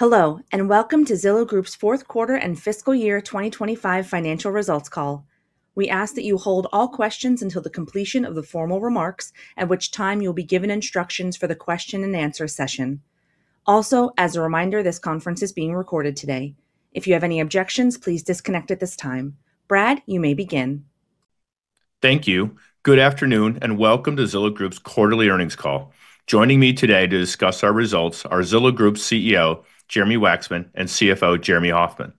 Hello, and welcome to Zillow Group's fourth quarter and fiscal year 2025 financial results call. We ask that you hold all questions until the completion of the formal remarks, at which time you'll be given instructions for the question and answer session. Also, as a reminder, this conference is being recorded today. If you have any objections, please disconnect at this time. Brad, you may begin. Thank you. Good afternoon, and welcome to Zillow Group's quarterly earnings call. Joining me today to discuss our results are Zillow Group's CEO, Jeremy Wacksman, and CFO, Jeremy Hofmann.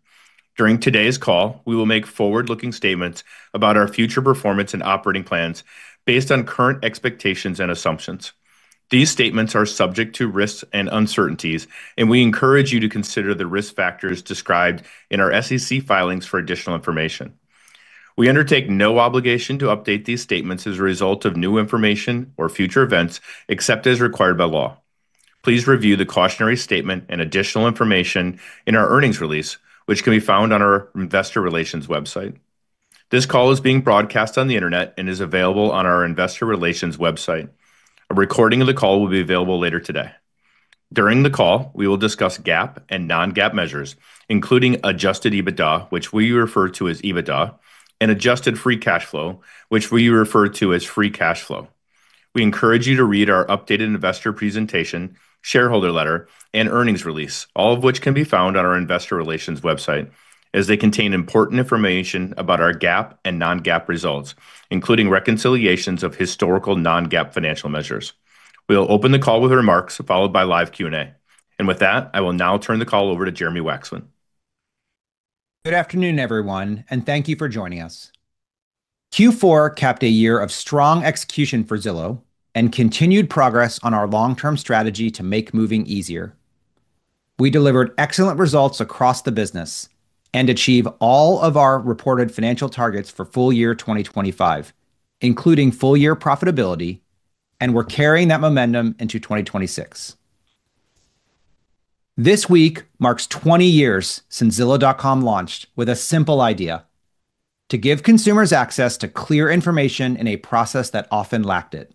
During today's call, we will make forward-looking statements about our future performance and operating plans based on current expectations and assumptions. These statements are subject to risks and uncertainties, and we encourage you to consider the risk factors described in our SEC filings for additional information. We undertake no obligation to update these statements as a result of new information or future events, except as required by law. Please review the cautionary statement and additional information in our earnings release, which can be found on our investor relations website. This call is being broadcast on the internet and is available on our investor relations website. A recording of the call will be available later today. During the call, we will discuss GAAP and non-GAAP measures, including adjusted EBITDA, which we refer to as EBITDA, and adjusted free cash flow, which we refer to as free cash flow. We encourage you to read our updated investor presentation, shareholder letter, and earnings release, all of which can be found on our investor relations website, as they contain important information about our GAAP and non-GAAP results, including reconciliations of historical non-GAAP financial measures. We'll open the call with remarks, followed by live Q&A. With that, I will now turn the call over to Jeremy Wacksman. Good afternoon, everyone, and thank you for joining us. Q4 capped a year of strong execution for Zillow and continued progress on our long-term strategy to make moving easier. We delivered excellent results across the business and achieved all of our reported financial targets for full year 2025, including full-year profitability, and we're carrying that momentum into 2026. This week marks 20 years since Zillow.com launched with a simple idea: to give consumers access to clear information in a process that often lacked it.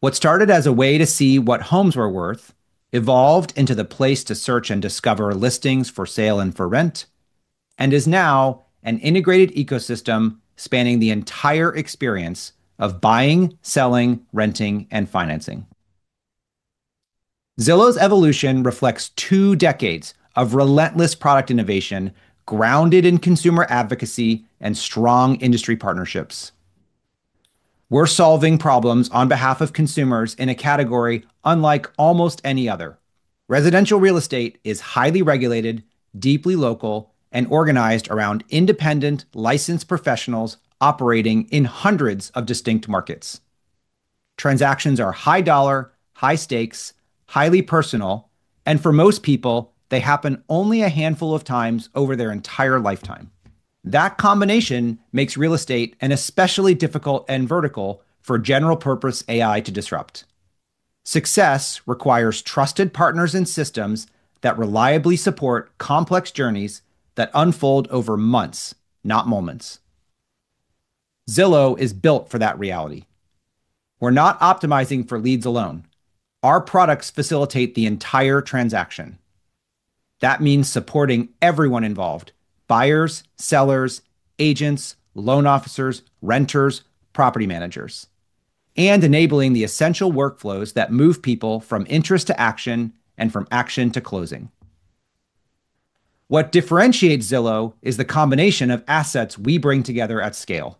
What started as a way to see what homes were worth, evolved into the place to search and discover listings for sale and for rent, and is now an integrated ecosystem spanning the entire experience of buying, selling, renting, and financing. Zillow's evolution reflects two decades of relentless product innovation, grounded in consumer advocacy and strong industry partnerships. We're solving problems on behalf of consumers in a category unlike almost any other. Residential real estate is highly regulated, deeply local, and organized around independent licensed professionals operating in hundreds of distinct markets. Transactions are high dollar, high stakes, highly personal, and for most people, they happen only a handful of times over their entire lifetime. That combination makes real estate an especially difficult end vertical for general-purpose AI to disrupt. Success requires trusted partners and systems that reliably support complex journeys that unfold over months, not moments. Zillow is built for that reality. We're not optimizing for leads alone. Our products facilitate the entire transaction. That means supporting everyone involved: buyers, sellers, agents, loan officers, renters, property managers, and enabling the essential workflows that move people from interest to action and from action to closing. What differentiates Zillow is the combination of assets we bring together at scale.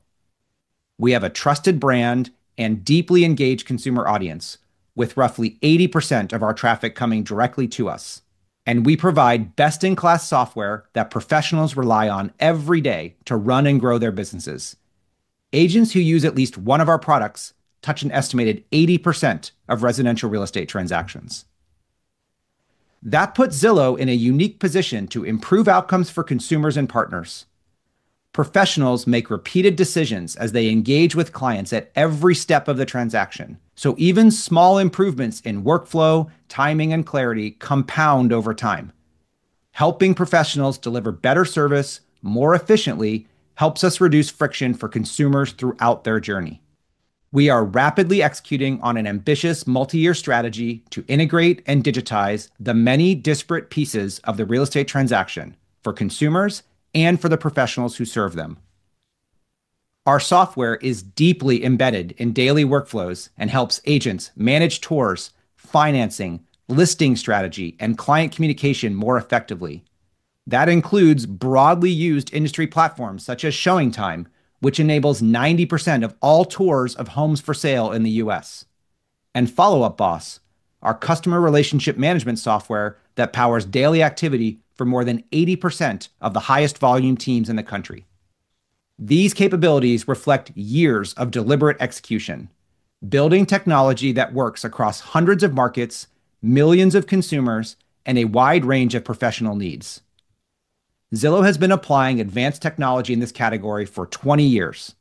We have a trusted brand and deeply engaged consumer audience, with roughly 80% of our traffic coming directly to us, and we provide best-in-class software that professionals rely on every day to run and grow their businesses. Agents who use at least one of our products touch an estimated 80% of residential real estate transactions. That puts Zillow in a unique position to improve outcomes for consumers and partners. Professionals make repeated decisions as they engage with clients at every step of the transaction, so even small improvements in workflow, timing, and clarity compound over time. Helping professionals deliver better service more efficiently helps us reduce friction for consumers throughout their journey. We are rapidly executing on an ambitious multi-year strategy to integrate and digitize the many disparate pieces of the real estate transaction for consumers and for the professionals who serve them. Our software is deeply embedded in daily workflows and helps agents manage tours, financing, listing strategy, and client communication more effectively. That includes broadly used industry platforms, such as ShowingTime, which enables 90% of all tours of homes for sale in the U.S., and Follow Up Boss, our customer relationship management software that powers daily activity for more than 80% of the highest volume teams in the country. These capabilities reflect years of deliberate execution, building technology that works across hundreds of markets, millions of consumers, and a wide range of professional needs. Zillow has been applying advanced technology in this category for 20 years,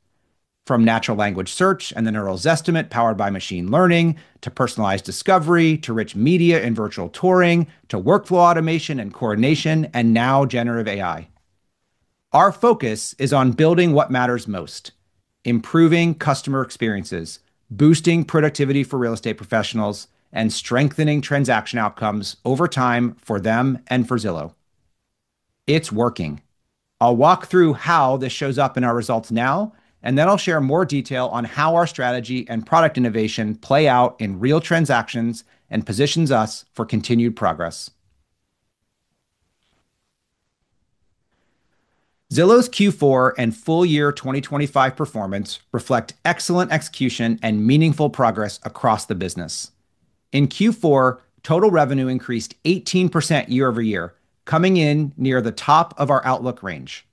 from natural language search and the Neural Zestimate powered by machine learning, to personalized discovery, to rich media and virtual touring, to workflow automation and coordination, and now generative AI. Our focus is on building what matters most: improving customer experiences, boosting productivity for real estate professionals, and strengthening transaction outcomes over time for them and for Zillow. It's working. I'll walk through how this shows up in our results now, and then I'll share more detail on how our strategy and product innovation play out in real transactions and positions us for continued progress. Zillow's Q4 and full-year 2025 performance reflect excellent execution and meaningful progress across the business. In Q4, total revenue increased 18% year-over-year, coming in near the top of our outlook range.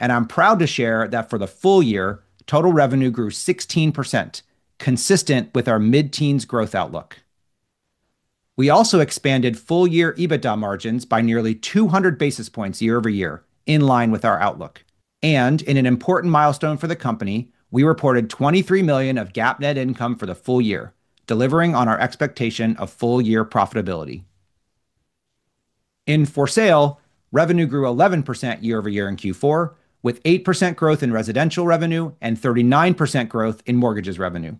I'm proud to share that for the full year, total revenue grew 16%, consistent with our mid-teens growth outlook. We also expanded full-year EBITDA margins by nearly 200 basis points year-over-year, in line with our outlook. In an important milestone for the company, we reported $23 million of GAAP net income for the full year, delivering on our expectation of full-year profitability. In For Sale, revenue grew 11% year-over-year in Q4, with 8% growth in residential revenue and 39% growth in mortgages revenue.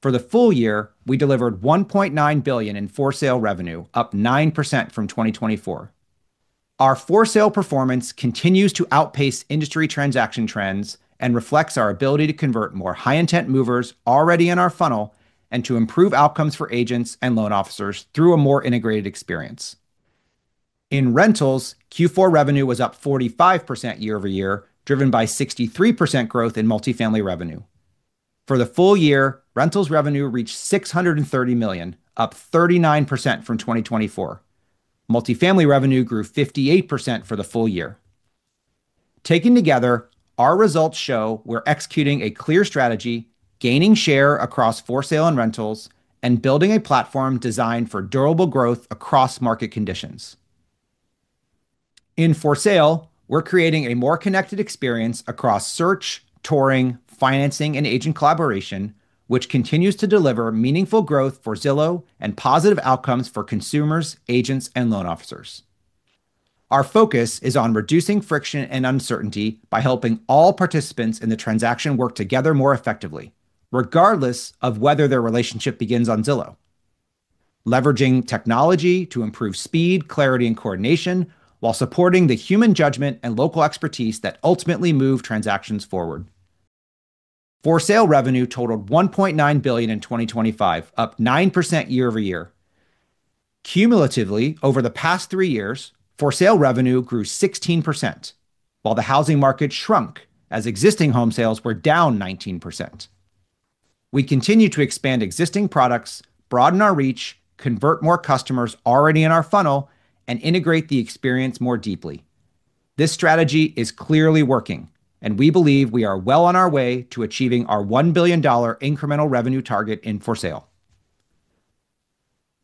For the full year, we delivered $1.9 billion in For Sale revenue, up 9% from 2024. Our For Sale performance continues to outpace industry transaction trends and reflects our ability to convert more high-intent movers already in our funnel and to improve outcomes for agents and loan officers through a more integrated experience. In Rentals, Q4 revenue was up 45% year-over-year, driven by 63% growth in multifamily revenue. For the full year, Rentals revenue reached $630 million, up 39% from 2024. Multifamily revenue grew 58% for the full year. Taken together, our results show we're executing a clear strategy, gaining share across For Sale and Rentals, and building a platform designed for durable growth across market conditions. In For Sale, we're creating a more connected experience across search, touring, financing, and agent collaboration, which continues to deliver meaningful growth for Zillow and positive outcomes for consumers, agents, and loan officers. Our focus is on reducing friction and uncertainty by helping all participants in the transaction work together more effectively, regardless of whether their relationship begins on Zillow, leveraging technology to improve speed, clarity, and coordination while supporting the human judgment and local expertise that ultimately move transactions forward. For Sale revenue totaled $1.9 billion in 2025, up 9% year-over-year. Cumulatively, over the past 3 years, For Sale revenue grew 16%, while the housing market shrunk as existing home sales were down 19%. We continue to expand existing products, broaden our reach, convert more customers already in our funnel, and integrate the experience more deeply. This strategy is clearly working, and we believe we are well on our way to achieving our $1 billion incremental revenue target in For Sale.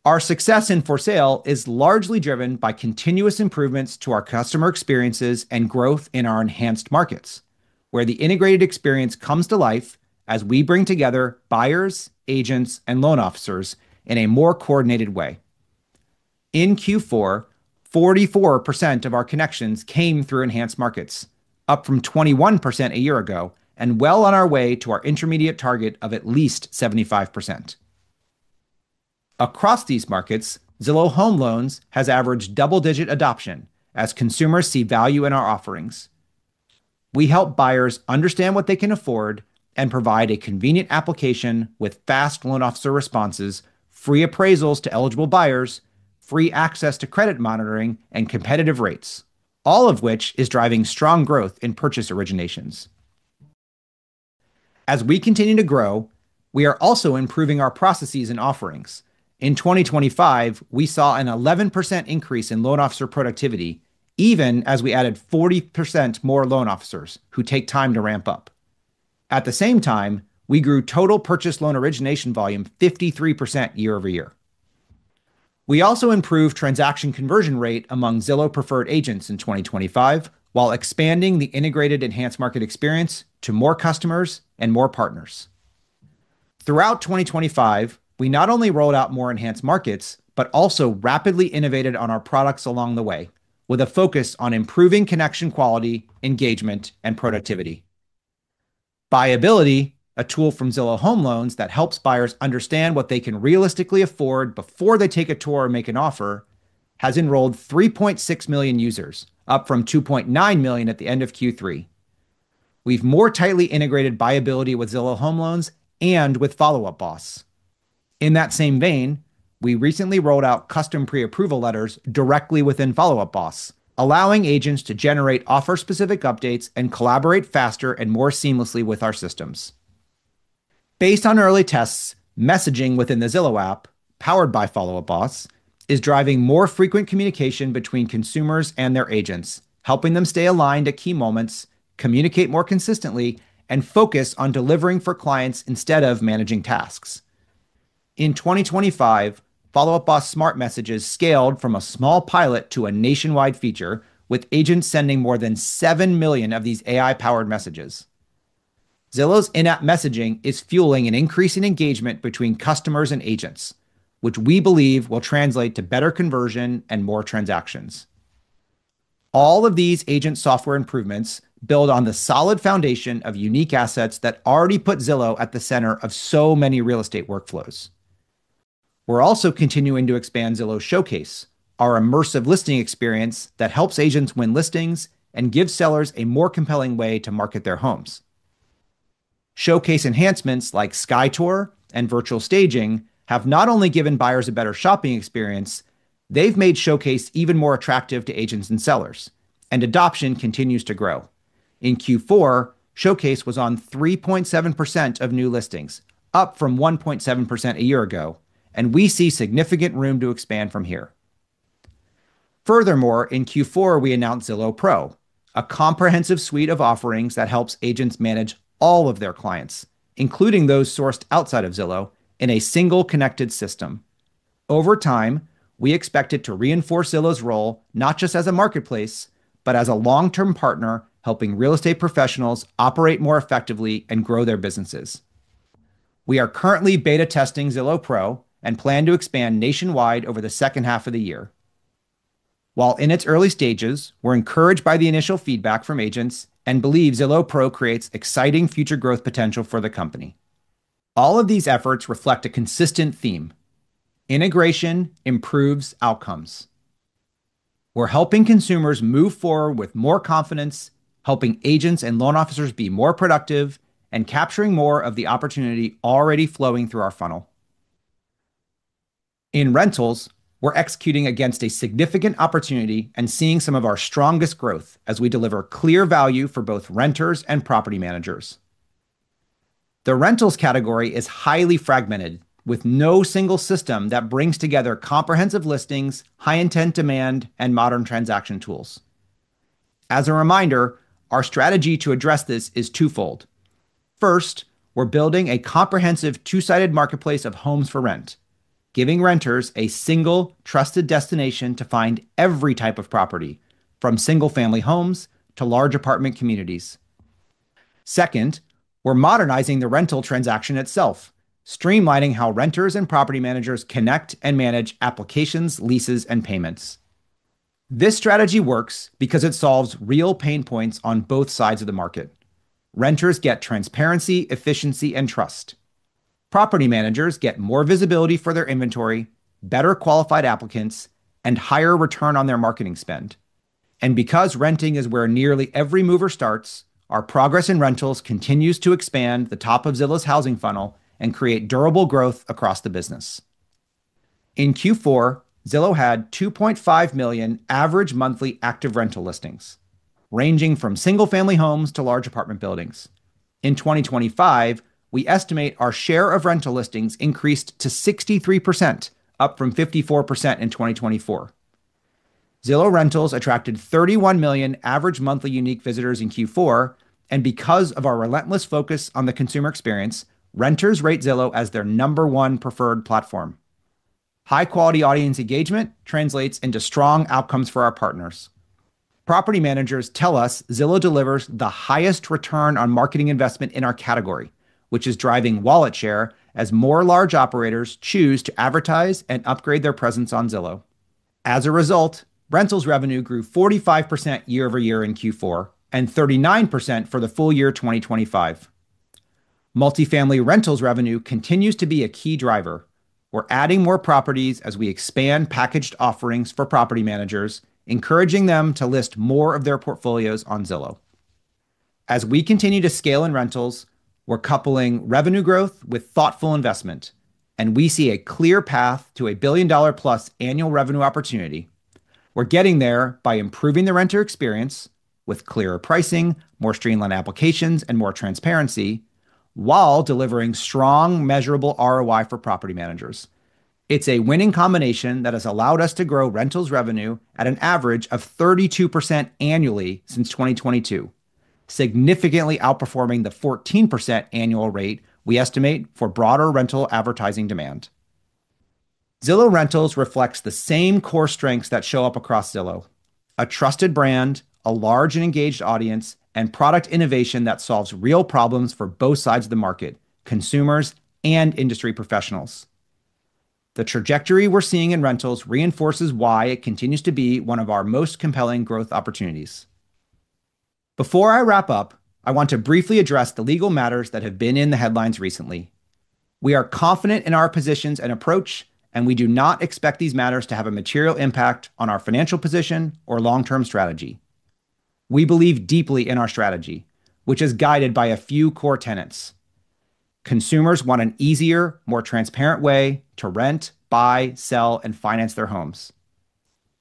Our success in For Sale is largely driven by continuous improvements to our customer experiences and growth in our Enhanced Markets, where the integrated experience comes to life as we bring together buyers, agents, and loan officers in a more coordinated way. In Q4, 44% of our connections came through Enhanced Markets, up from 21% a year ago, and well on our way to our intermediate target of at least 75%. Across these markets, Zillow Home Loans has averaged double-digit adoption as consumers see value in our offerings. We help buyers understand what they can afford and provide a convenient application with fast loan officer responses, free appraisals to eligible buyers, free access to credit monitoring, and competitive rates, all of which is driving strong growth in purchase originations. As we continue to grow, we are also improving our processes and offerings. In 2025, we saw an 11% increase in loan officer productivity, even as we added 40% more loan officers who take time to ramp up. At the same time, we grew total purchase loan origination volume 53% year-over-year. We also improved transaction conversion rate among Zillow Preferred Agents in 2025, while expanding the integrated Enhanced Markets experience to more customers and more partners. Throughout 2025, we not only rolled out more Enhanced Markets, but also rapidly innovated on our products along the way, with a focus on improving connection quality, engagement, and productivity. BuyAbility, a tool from Zillow Home Loans that helps buyers understand what they can realistically afford before they take a tour or make an offer, has enrolled 3.6 million users, up from 2.9 million at the end of Q3. We've more tightly integrated BuyAbility with Zillow Home Loans and with Follow Up Boss. In that same vein, we recently rolled out custom pre-approval letters directly within Follow Up Boss, allowing agents to generate offer-specific updates and collaborate faster and more seamlessly with our systems. Based on early tests, messaging within the Zillow app, powered by Follow Up Boss, is driving more frequent communication between consumers and their agents, helping them stay aligned at key moments, communicate more consistently, and focus on delivering for clients instead of managing tasks. In 2025, Follow Up Boss smart messages scaled from a small pilot to a nationwide feature, with agents sending more than 7 million of these AI-powered messages. Zillow's in-app messaging is fueling an increase in engagement between customers and agents, which we believe will translate to better conversion and more transactions. All of these agent software improvements build on the solid foundation of unique assets that already put Zillow at the center of so many real estate workflows. We're also continuing to expand Zillow Showcase, our immersive listing experience that helps agents win listings and gives sellers a more compelling way to market their homes. Showcase enhancements like SkyTour and Virtual Staging have not only given buyers a better shopping experience, they've made Showcase even more attractive to agents and sellers, and adoption continues to grow. In Q4, Showcase was on 3.7% of new listings, up from 1.7% a year ago, and we see significant room to expand from here. Furthermore, in Q4, we announced Zillow Pro, a comprehensive suite of offerings that helps agents manage all of their clients, including those sourced outside of Zillow, in a single connected system. Over time, we expect it to reinforce Zillow's role, not just as a marketplace, but as a long-term partner, helping real estate professionals operate more effectively and grow their businesses. We are currently beta testing Zillow Pro and plan to expand nationwide over the second half of the year. While in its early stages, we're encouraged by the initial feedback from agents and believe Zillow Pro creates exciting future growth potential for the company. All of these efforts reflect a consistent theme: integration improves outcomes. We're helping consumers move forward with more confidence, helping agents and loan officers be more productive, and capturing more of the opportunity already flowing through our funnel. In rentals, we're executing against a significant opportunity and seeing some of our strongest growth as we deliver clear value for both renters and property managers. The rentals category is highly fragmented, with no single system that brings together comprehensive listings, high-intent demand, and modern transaction tools. As a reminder, our strategy to address this is twofold. First, we're building a comprehensive, two-sided marketplace of homes for rent, giving renters a single, trusted destination to find every type of property, from single-family homes to large apartment communities. Second, we're modernizing the rental transaction itself, streamlining how renters and property managers connect and manage applications, leases, and payments. This strategy works because it solves real pain points on both sides of the market. Renters get transparency, efficiency, and trust. Property managers get more visibility for their inventory, better qualified applicants, and higher return on their marketing spend. And because renting is where nearly every mover starts, our progress in rentals continues to expand the top of Zillow's housing funnel and create durable growth across the business. In Q4, Zillow had 2.5 million average monthly active rental listings, ranging from single-family homes to large apartment buildings. In 2025, we estimate our share of rental listings increased to 63%, up from 54% in 2024. Zillow Rentals attracted 31 million average monthly unique visitors in Q4, and because of our relentless focus on the consumer experience, renters rate Zillow as their number one preferred platform. High-quality audience engagement translates into strong outcomes for our partners. Property managers tell us Zillow delivers the highest return on marketing investment in our category, which is driving wallet share as more large operators choose to advertise and upgrade their presence on Zillow. As a result, rentals revenue grew 45% year-over-year in Q4, and 39% for the full year 2025. Multifamily rentals revenue continues to be a key driver. We're adding more properties as we expand packaged offerings for property managers, encouraging them to list more of their portfolios on Zillow. As we continue to scale in rentals, we're coupling revenue growth with thoughtful investment, and we see a clear path to a billion-dollar-plus annual revenue opportunity. We're getting there by improving the renter experience with clearer pricing, more streamlined applications, and more transparency while delivering strong, measurable ROI for property managers. It's a winning combination that has allowed us to grow rentals revenue at an average of 32% annually since 2022, significantly outperforming the 14% annual rate we estimate for broader rental advertising demand. Zillow Rentals reflects the same core strengths that show up across Zillow, a trusted brand, a large and engaged audience, and product innovation that solves real problems for both sides of the market, consumers and industry professionals. The trajectory we're seeing in rentals reinforces why it continues to be one of our most compelling growth opportunities. Before I wrap up, I want to briefly address the legal matters that have been in the headlines recently. We are confident in our positions and approach, and we do not expect these matters to have a material impact on our financial position or long-term strategy. We believe deeply in our strategy, which is guided by a few core tenets. Consumers want an easier, more transparent way to rent, buy, sell, and finance their homes.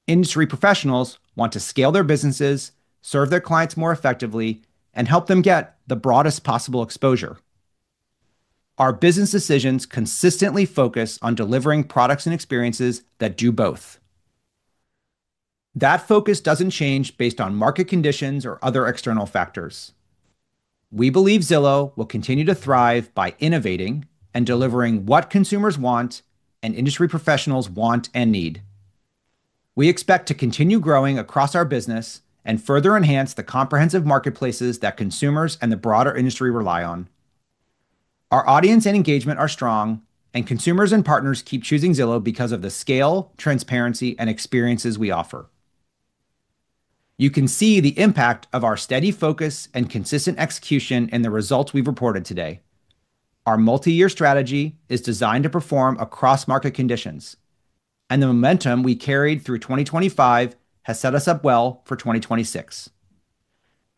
Industry professionals want to scale their businesses, serve their clients more effectively, and help them get the broadest possible exposure. Our business decisions consistently focus on delivering products and experiences that do both. That focus doesn't change based on market conditions or other external factors. We believe Zillow will continue to thrive by innovating and delivering what consumers want and industry professionals want and need. We expect to continue growing across our business and further enhance the comprehensive marketplaces that consumers and the broader industry rely on. Our audience and engagement are strong, and consumers and partners keep choosing Zillow because of the scale, transparency, and experiences we offer. You can see the impact of our steady focus and consistent execution in the results we've reported today. Our multi-year strategy is designed to perform across market conditions, and the momentum we carried through 2025 has set us up well for 2026.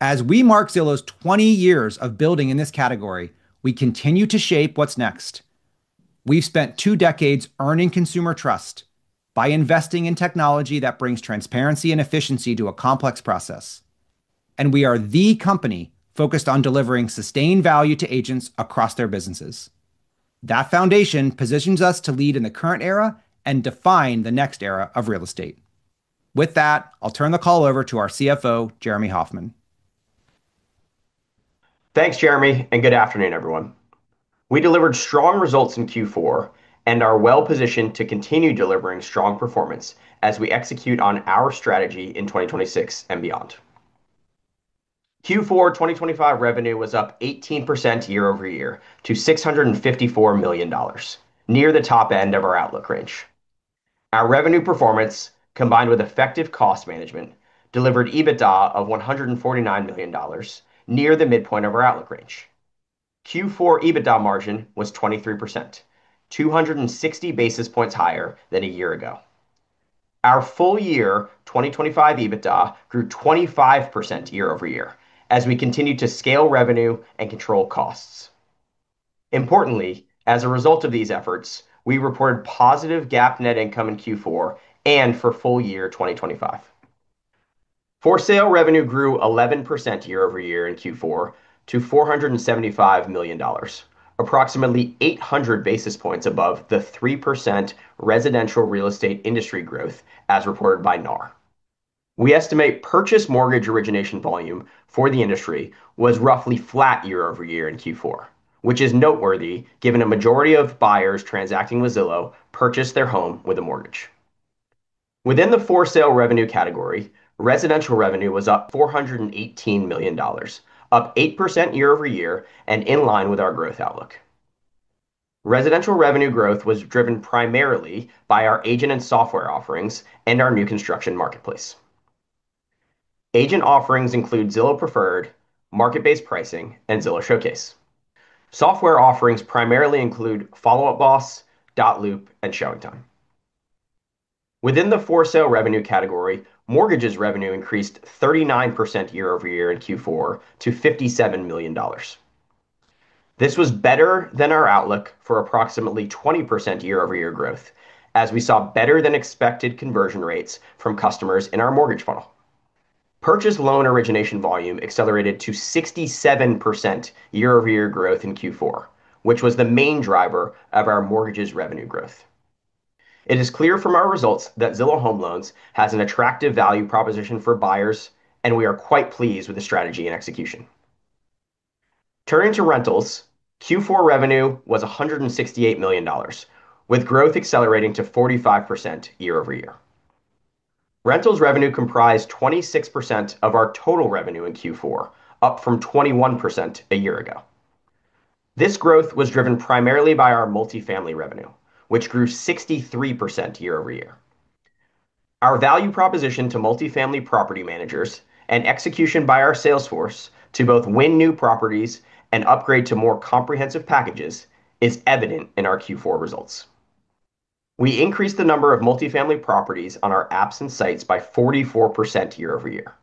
As we mark Zillow's 20 years of building in this category, we continue to shape what's next. We've spent two decades earning consumer trust by investing in technology that brings transparency and efficiency to a complex process, and we are the company focused on delivering sustained value to agents across their businesses. That foundation positions us to lead in the current era and define the next era of real estate. With that, I'll turn the call over to our CFO, Jeremy Hofmann. Thanks, Jeremy, and good afternoon, everyone. We delivered strong results in Q4, and are well-positioned to continue delivering strong performance as we execute on our strategy in 2026 and beyond. Q4 2025 revenue was up 18% year-over-year to $654 million, near the top end of our outlook range. Our revenue performance, combined with effective cost management, delivered EBITDA of $149 million, near the midpoint of our outlook range. Q4 EBITDA margin was 23%, 260 basis points higher than a year ago. Our full year 2025 EBITDA grew 25% year-over-year as we continued to scale revenue and control costs. Importantly, as a result of these efforts, we reported positive GAAP net income in Q4 and for full year 2025. For-sale revenue grew 11% year-over-year in Q4 to $475 million, approximately 800 basis points above the 3% residential real estate industry growth as reported by NAR. We estimate purchase mortgage origination volume for the industry was roughly flat year-over-year in Q4, which is noteworthy given a majority of buyers transacting with Zillow purchased their home with a mortgage. Within the for-sale revenue category, residential revenue was up $418 million, up 8% year-over-year and in line with our growth outlook. Residential revenue growth was driven primarily by our agent and software offerings and our new construction marketplace. Agent offerings include Zillow Preferred, Market-Based Pricing, and Zillow Showcase. Software offerings primarily include Follow Up Boss, Dotloop, and ShowingTime. Within the for-sale revenue category, mortgages revenue increased 39% year-over-year in Q4 to $57 million. This was better than our outlook for approximately 20% year-over-year growth, as we saw better-than-expected conversion rates from customers in our mortgage funnel. Purchase loan origination volume accelerated to 67% year-over-year growth in Q4, which was the main driver of our mortgages revenue growth. It is clear from our results that Zillow Home Loans has an attractive value proposition for buyers, and we are quite pleased with the strategy and execution. Turning to rentals, Q4 revenue was $168 million, with growth accelerating to 45% year-over-year. Rentals revenue comprised 26% of our total revenue in Q4, up from 21% a year ago. This growth was driven primarily by our multifamily revenue, which grew 63% year-over-year. Our value proposition to multifamily property managers and execution by our sales force to both win new properties and upgrade to more comprehensive packages is evident in our Q4 results. We increased the number of multifamily properties on our apps and sites by 44% year-over-year,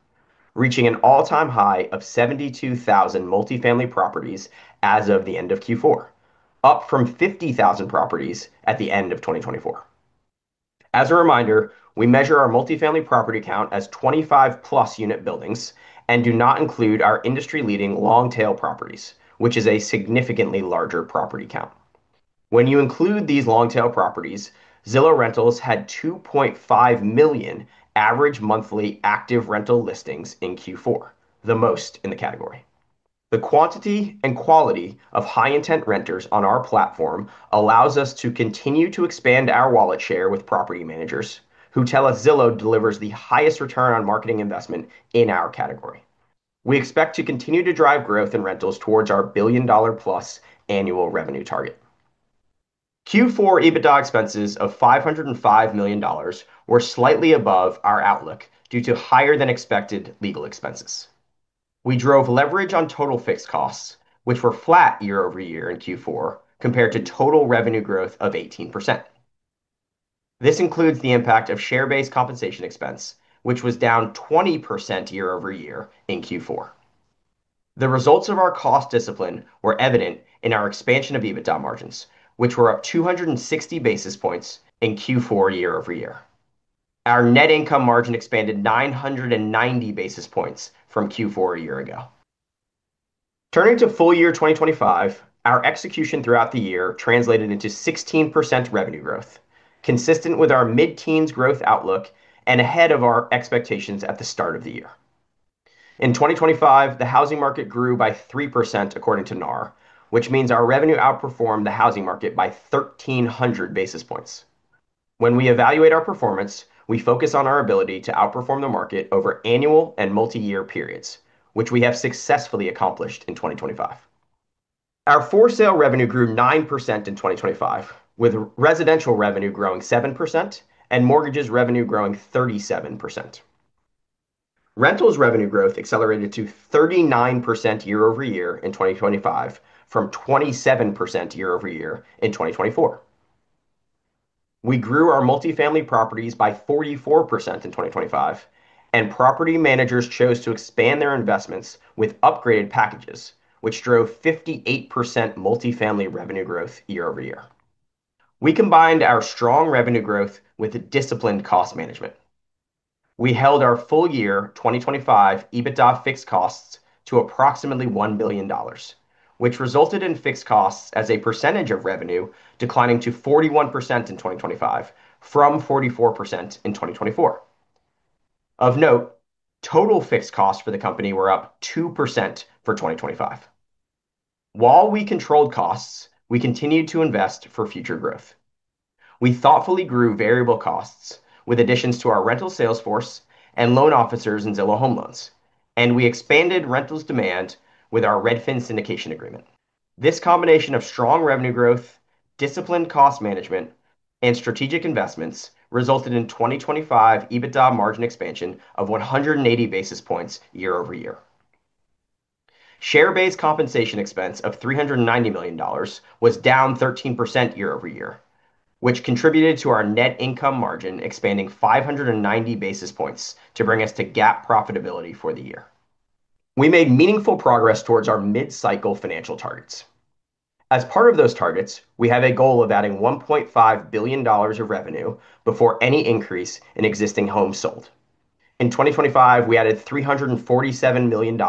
reaching an all-time high of 72,000 multifamily properties as of the end of Q4, up from 50,000 properties at the end of 2024. As a reminder, we measure our multifamily property count as 25+ unit buildings and do not include our industry-leading long-tail properties, which is a significantly larger property count. When you include these long-tail properties, Zillow Rentals had 2.5 million average monthly active rental listings in Q4, the most in the category. The quantity and quality of high-intent renters on our platform allows us to continue to expand our wallet share with property managers, who tell us Zillow delivers the highest return on marketing investment in our category. We expect to continue to drive growth in rentals towards our billion-dollar-plus annual revenue target. Q4 EBITDA expenses of $505 million were slightly above our outlook due to higher-than-expected legal expenses. We drove leverage on total fixed costs, which were flat year-over-year in Q4, compared to total revenue growth of 18%. This includes the impact of share-based compensation expense, which was down 20% year over year in Q4. The results of our cost discipline were evident in our expansion of EBITDA margins, which were up 260 basis points in Q4, year-over-year. Our net income margin expanded 990 basis points from Q4 a year ago. Turning to full year 2025, our execution throughout the year translated into 16% revenue growth, consistent with our mid-teens growth outlook and ahead of our expectations at the start of the year. In 2025, the housing market grew by 3% according to NAR, which means our revenue outperformed the housing market by 1,300 basis points. When we evaluate our performance, we focus on our ability to outperform the market over annual and multi-year periods, which we have successfully accomplished in 2025. Our for-sale revenue grew 9% in 2025, with residential revenue growing 7% and mortgages revenue growing 37%. Rentals revenue growth accelerated to 39% year-over-year in 2025, from 27% year-over-year in 2024. We grew our multifamily properties by 44% in 2025, and property managers chose to expand their investments with upgraded packages, which drove 58% multifamily revenue growth year-over-year. We combined our strong revenue growth with a disciplined cost management. We held our full year 2025 EBITDA fixed costs to approximately $1 billion, which resulted in fixed costs as a percentage of revenue, declining to 41% in 2025 from 44% in 2024. Of note, total fixed costs for the company were up 2% for 2025. While we controlled costs, we continued to invest for future growth. We thoughtfully grew variable costs with additions to our rental sales force and loan officers in Zillow Home Loans, and we expanded rentals demand with our Redfin syndication agreement. This combination of strong revenue growth, disciplined cost management, and strategic investments resulted in 2025 EBITDA margin expansion of 180 basis points year-over-year. Share-based compensation expense of $390 million was down 13% year-over-year, which contributed to our net income margin expanding 590 basis points to bring us to GAAP profitability for the year. We made meaningful progress towards our mid-cycle financial targets. As part of those targets, we have a goal of adding $1.5 billion of revenue before any increase in existing homes sold. In 2025, we added $347 million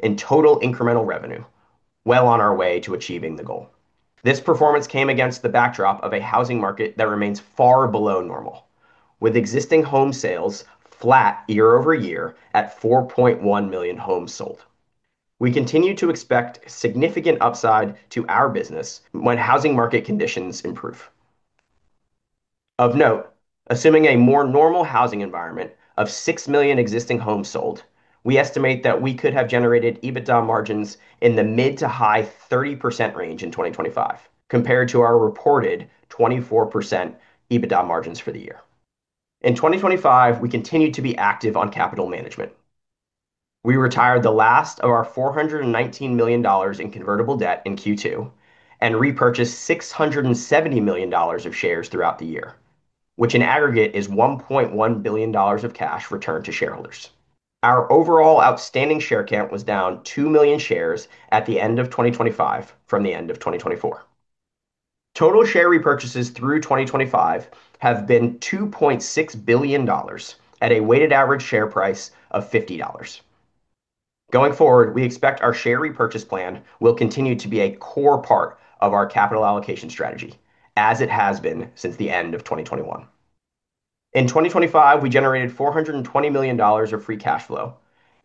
in total incremental revenue, well on our way to achieving the goal. This performance came against the backdrop of a housing market that remains far below normal, with existing home sales flat year-over-year at 4.1 million homes sold. We continue to expect significant upside to our business when housing market conditions improve. Of note, assuming a more normal housing environment of 6 million existing homes sold, we estimate that we could have generated EBITDA margins in the mid- to high-30% range in 2025, compared to our reported 24% EBITDA margins for the year. In 2025, we continued to be active on capital management. We retired the last of our $419 million in convertible debt in Q2, and repurchased $670 million of shares throughout the year, which in aggregate is $1.1 billion of cash returned to shareholders. Our overall outstanding share count was down 2 million shares at the end of 2025 from the end of 2024. Total share repurchases through 2025 have been $2.6 billion at a weighted average share price of $50. Going forward, we expect our share repurchase plan will continue to be a core part of our capital allocation strategy, as it has been since the end of 2021. In 2025, we generated $420 million of free cash flow,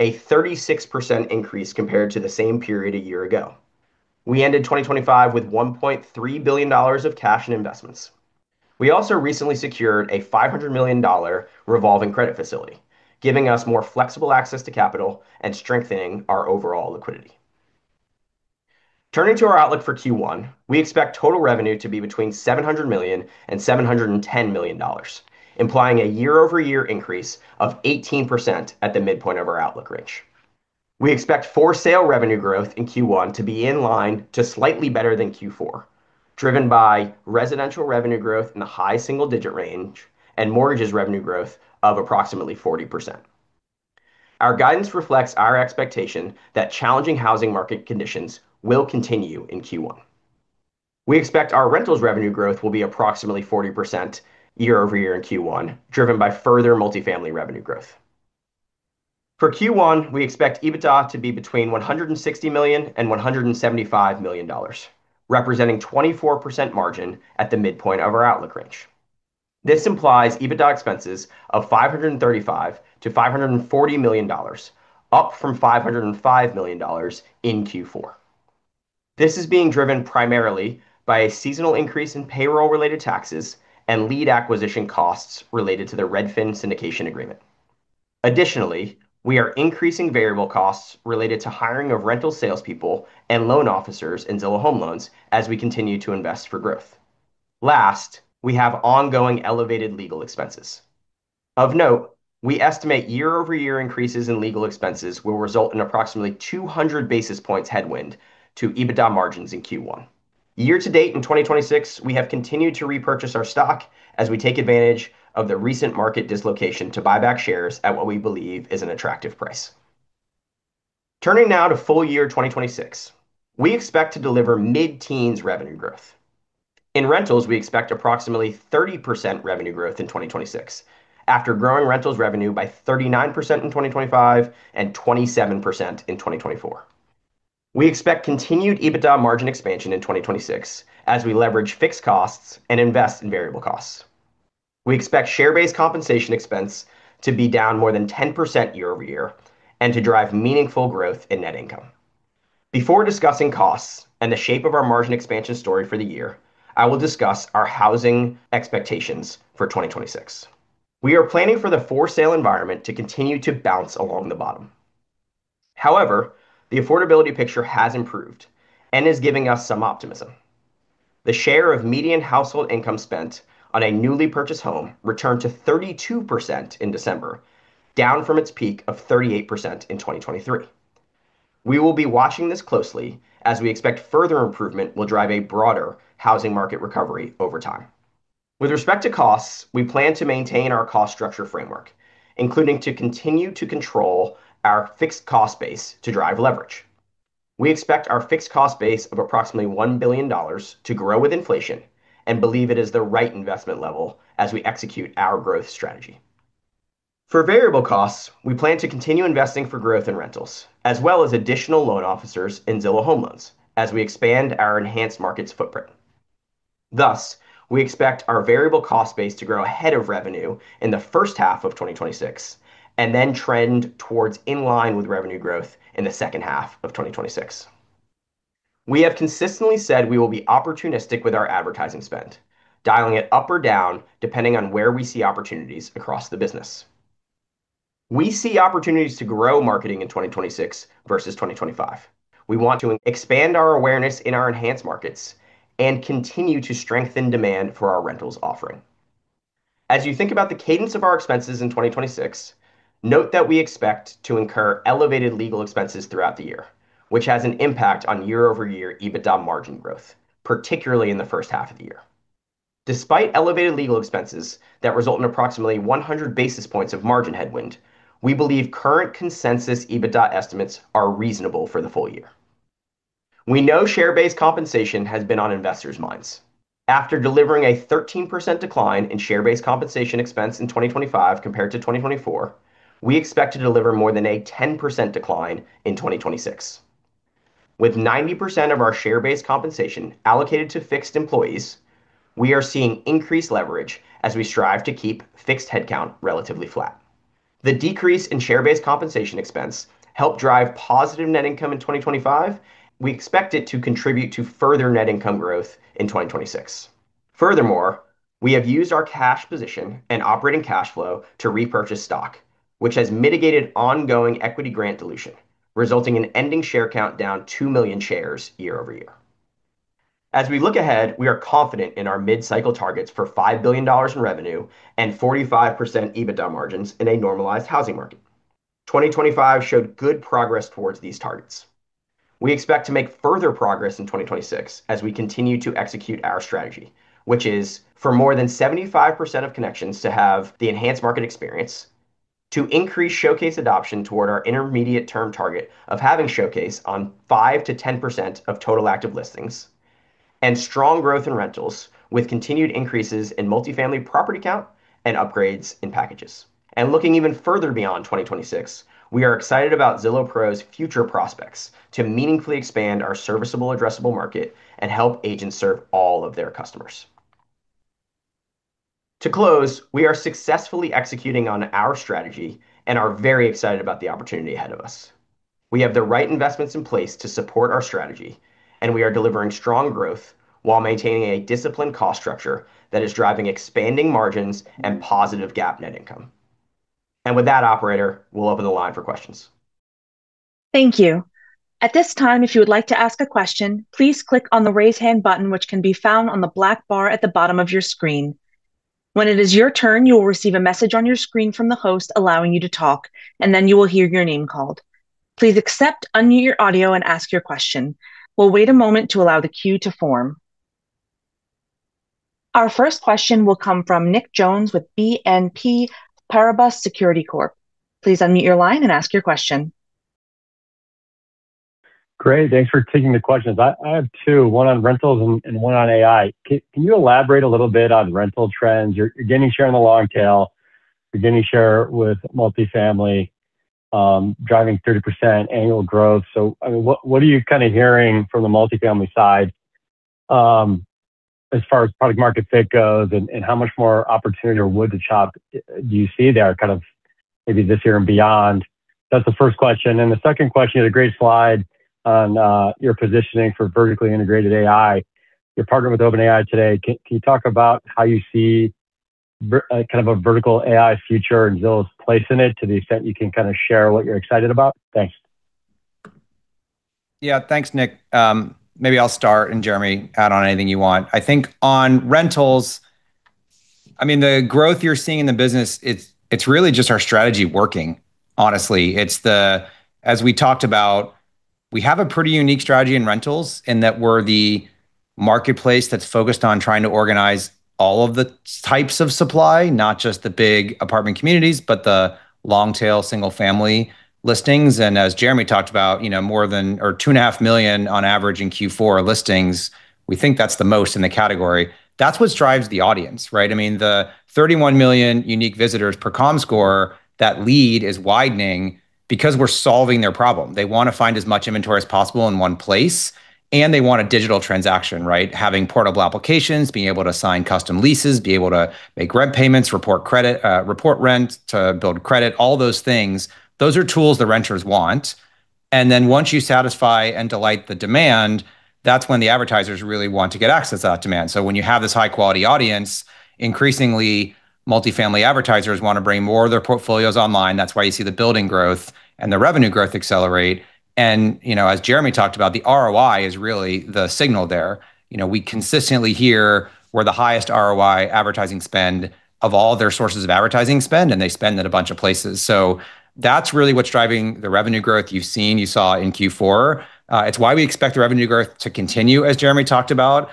a 36% increase compared to the same period a year ago. We ended 2025 with $1.3 billion of cash and investments. We also recently secured a $500 million revolving credit facility, giving us more flexible access to capital and strengthening our overall liquidity. Turning to our outlook for Q1, we expect total revenue to be between $700 million and $710 million, implying a year-over-year increase of 18% at the midpoint of our outlook range. We expect for-sale revenue growth in Q1 to be in line to slightly better than Q4, driven by residential revenue growth in the high single-digit range and mortgages revenue growth of approximately 40%. Our guidance reflects our expectation that challenging housing market conditions will continue in Q1. We expect our rentals revenue growth will be approximately 40% year-over-year in Q1, driven by further multifamily revenue growth. For Q1, we expect EBITDA to be between $160 million and $175 million, representing 24% margin at the midpoint of our outlook range. This implies EBITDA expenses of $535 million-$540 million, up from $505 million in Q4. This is being driven primarily by a seasonal increase in payroll-related taxes and lead acquisition costs related to the Redfin syndication agreement. Additionally, we are increasing variable costs related to hiring of rental salespeople and loan officers in Zillow Home Loans as we continue to invest for growth. Last, we have ongoing elevated legal expenses. Of note, we estimate year-over-year increases in legal expenses will result in approximately 200 basis points headwind to EBITDA margins in Q1. Year to date, in 2026, we have continued to repurchase our stock as we take advantage of the recent market dislocation to buy back shares at what we believe is an attractive price. Turning now to full year 2026, we expect to deliver mid-teens revenue growth. In rentals, we expect approximately 30% revenue growth in 2026, after growing rentals revenue by 39% in 2025 and 27% in 2024. We expect continued EBITDA margin expansion in 2026 as we leverage fixed costs and invest in variable costs. We expect share-based compensation expense to be down more than 10% year-over-year and to drive meaningful growth in net income. Before discussing costs and the shape of our margin expansion story for the year, I will discuss our housing expectations for 2026. We are planning for the for-sale environment to continue to bounce along the bottom. However, the affordability picture has improved and is giving us some optimism. The share of median household income spent on a newly purchased home returned to 32% in December, down from its peak of 38% in 2023. We will be watching this closely, as we expect further improvement will drive a broader housing market recovery over time. With respect to costs, we plan to maintain our cost structure framework, including to continue to control our fixed cost base to drive leverage. We expect our fixed cost base of approximately $1 billion to grow with inflation and believe it is the right investment level as we execute our growth strategy. For variable costs, we plan to continue investing for growth in rentals, as well as additional loan officers in Zillow Home Loans as we expand our Enhanced Markets footprint. Thus, we expect our variable cost base to grow ahead of revenue in the first half of 2026, and then trend towards in line with revenue growth in the second half of 2026. We have consistently said we will be opportunistic with our advertising spend, dialing it up or down, depending on where we see opportunities across the business. We see opportunities to grow marketing in 2026 versus 2025. We want to expand our awareness in our Enhanced Markets and continue to strengthen demand for our rentals offering. As you think about the cadence of our expenses in 2026, note that we expect to incur elevated legal expenses throughout the year, which has an impact on year-over-year EBITDA margin growth, particularly in the first half of the year. Despite elevated legal expenses that result in approximately 100 basis points of margin headwind, we believe current consensus EBITDA estimates are reasonable for the full year. We know share-based compensation has been on investors' minds. After delivering a 13% decline in share-based compensation expense in 2025 compared to 2024, we expect to deliver more than a 10% decline in 2026. With 90% of our share-based compensation allocated to fixed employees, we are seeing increased leverage as we strive to keep fixed headcount relatively flat. The decrease in share-based compensation expense helped drive positive net income in 2025. We expect it to contribute to further net income growth in 2026. Furthermore, we have used our cash position and operating cash flow to repurchase stock, which has mitigated ongoing equity grant dilution, resulting in ending share count down 2 million shares year-over-year. As we look ahead, we are confident in our mid-cycle targets for $5 billion in revenue and 45% EBITDA margins in a normalized housing market. 2025 showed good progress towards these targets. We expect to make further progress in 2026 as we continue to execute our strategy, which is for more than 75% of connections to have the enhanced market experience, to increase Showcase adoption toward our intermediate-term target of having Showcase on 5%-10% of total active listings, and strong growth in rentals, with continued increases in multifamily property count and upgrades in packages. And looking even further beyond 2026, we are excited about Zillow Pro's future prospects to meaningfully expand our serviceable addressable market and help agents serve all of their customers. To close, we are successfully executing on our strategy and are very excited about the opportunity ahead of us. We have the right investments in place to support our strategy, and we are delivering strong growth while maintaining a disciplined cost structure that is driving expanding margins and positive GAAP net income. With that, operator, we'll open the line for questions. Thank you. At this time, if you would like to ask a question, please click on the Raise Hand button, which can be found on the black bar at the bottom of your screen. When it is your turn, you will receive a message on your screen from the host allowing you to talk, and then you will hear your name called. Please accept, unmute your audio, and ask your question. We'll wait a moment to allow the queue to form. Our first question will come from Nick Jones with BNP Paribas Securities Corp. Please unmute your line and ask your question. Great. Thanks for taking the questions. I have two, one on rentals and one on AI. Can you elaborate a little bit on rental trends? You're gaining share on the long tail. You're gaining share with multifamily, driving 30% annual growth. So, I mean, what are you kinda hearing from the multifamily side, as far as product market fit goes, and how much more opportunity or wood to chop do you see there, kind of maybe this year and beyond? That's the first question, and the second question, you had a great slide on your positioning for vertically integrated AI. You're partnered with OpenAI today. Can you talk about how you see kind of a vertical AI future and Zillow's place in it, to the extent you can kinda share what you're excited about? Thanks. Yeah, thanks, Nick. Maybe I'll start, and Jeremy, add on anything you want. I think on rentals, I mean, the growth you're seeing in the business, it's really just our strategy working, honestly. As we talked about, we have a pretty unique strategy in rentals, in that we're the marketplace that's focused on trying to organize all of the types of supply, not just the big apartment communities, but the long-tail, single-family listings. And as Jeremy talked about, you know, more than two and a half million on average in Q4 listings, we think that's the most in the category. That's what drives the audience, right? I mean, the 31 million unique visitors per Comscore, that lead is widening because we're solving their problem. They wanna find as much inventory as possible in one place, and they want a digital transaction, right? Having portable applications, being able to sign custom leases, be able to make rent payments, report credit, report rent to build credit, all those things, those are tools that renters want. And then once you satisfy and delight the demand, that's when the advertisers really want to get access to that demand. So when you have this high-quality audience, increasingly, multifamily advertisers wanna bring more of their portfolios online. That's why you see the building growth and the revenue growth accelerate, and, you know, as Jeremy talked about, the ROI is really the signal there. You know, we consistently hear we're the highest ROI advertising spend of all their sources of advertising spend, and they spend in a bunch of places. So that's really what's driving the revenue growth you've seen, you saw in Q4. It's why we expect the revenue growth to continue, as Jeremy talked about.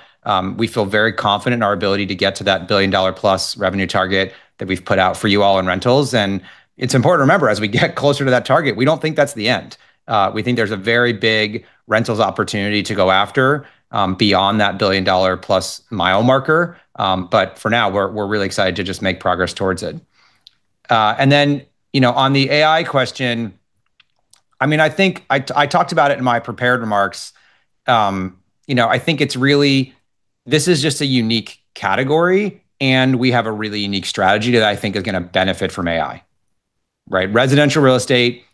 We feel very confident in our ability to get to that billion-dollar-plus revenue target that we've put out for you all in rentals. And it's important to remember, as we get closer to that target, we don't think that's the end. We think there's a very big rentals opportunity to go after, beyond that billion-dollar-plus mile marker, but for now, we're really excited to just make progress towards it. And then, you know, on the AI question, I mean, I talked about it in my prepared remarks. You know, I think it's really, this is just a unique category, and we have a really unique strategy that I think is gonna benefit from AI, right? Residential real estate,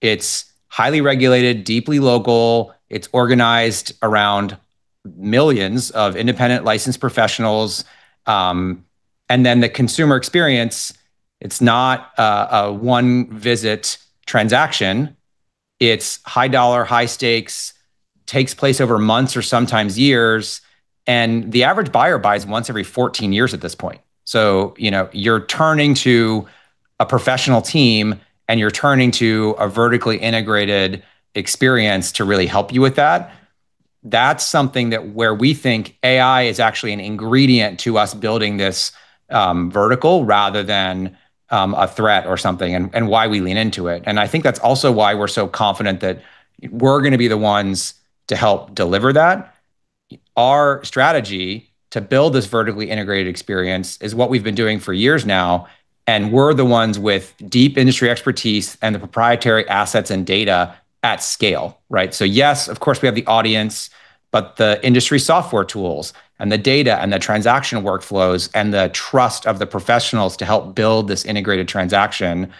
it's highly regulated, deeply local, it's organized around millions of independent licensed professionals. And then the consumer experience, it's not a one-visit transaction. It's high dollar, high stakes, takes place over months or sometimes years, and the average buyer buys once every 14 years at this point. So, you know, you're turning to a professional team, and you're turning to a vertically integrated experience to really help you with that. That's something that where we think AI is actually an ingredient to us building this vertical rather than a threat or something, and why we lean into it. I think that's also why we're so confident that we're gonna be the ones to help deliver that. Our strategy to build this vertically integrated experience is what we've been doing for years now, and we're the ones with deep industry expertise and the proprietary assets and data at scale, right? So yes, of course, we have the audience, but the industry software tools and the data and the transaction workflows and the trust of the professionals to help build this integrated transaction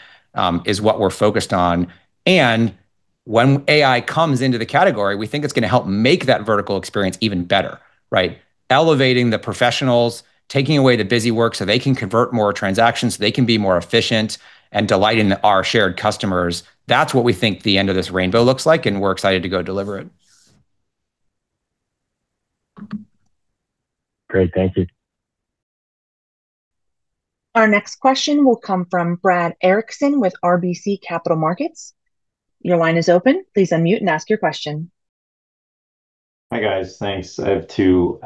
is what we're focused on. And when AI comes into the category, we think it's gonna help make that vertical experience even better, right? Elevating the professionals, taking away the busy work so they can convert more transactions, they can be more efficient and delighting our shared customers. That's what we think the end of this rainbow looks like, and we're excited to go deliver it. Great, thank you. Our next question will come from Brad Erickson with RBC Capital Markets. Your line is open. Please unmute and ask your question. Hi, guys. Thanks. I have two.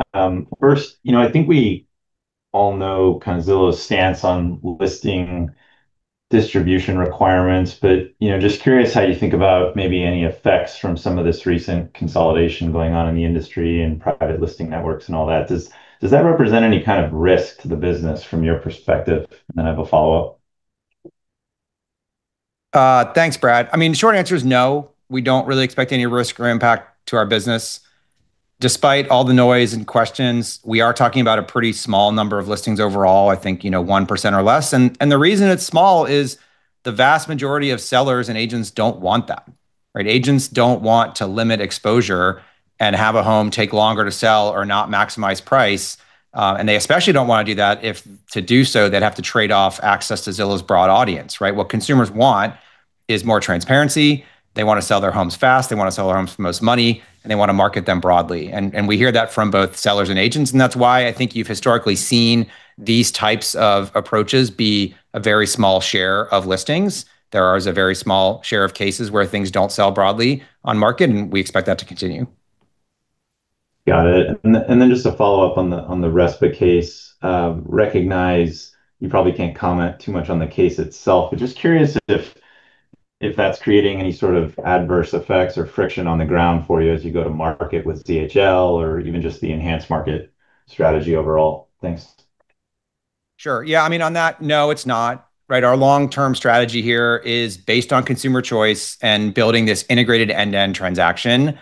First, you know, I think we all know kind of Zillow's stance on listing distribution requirements, but, you know, just curious how you think about maybe any effects from some of this recent consolidation going on in the industry and private listing networks and all that. Does that represent any kind of risk to the business from your perspective? And then I have a follow-up. Thanks, Brad. I mean, the short answer is no. We don't really expect any risk or impact to our business. Despite all the noise and questions, we are talking about a pretty small number of listings overall, I think, you know, 1% or less. And the reason it's small is the vast majority of sellers and agents don't want that, right? Agents don't want to limit exposure and have a home take longer to sell or not maximize price, and they especially don't wanna do that if to do so, they'd have to trade off access to Zillow's broad audience, right? What consumers want is more transparency, they wanna sell their homes fast, they wanna sell their homes for the most money, and they wanna market them broadly. And we hear that from both sellers and agents, and that's why I think you've historically seen these types of approaches be a very small share of listings. There is a very small share of cases where things don't sell broadly on market, and we expect that to continue. Got it. And, and then just a follow-up on the, on the RESPA case. Recognize you probably can't comment too much on the case itself, but just curious if, if that's creating any sort of adverse effects or friction on the ground for you as you go to market with ZHL or even just the Enhanced Markets strategy overall. Thanks. Sure. Yeah, I mean, on that, no, it's not, right? Our long-term strategy here is based on consumer choice and building this integrated end-to-end transaction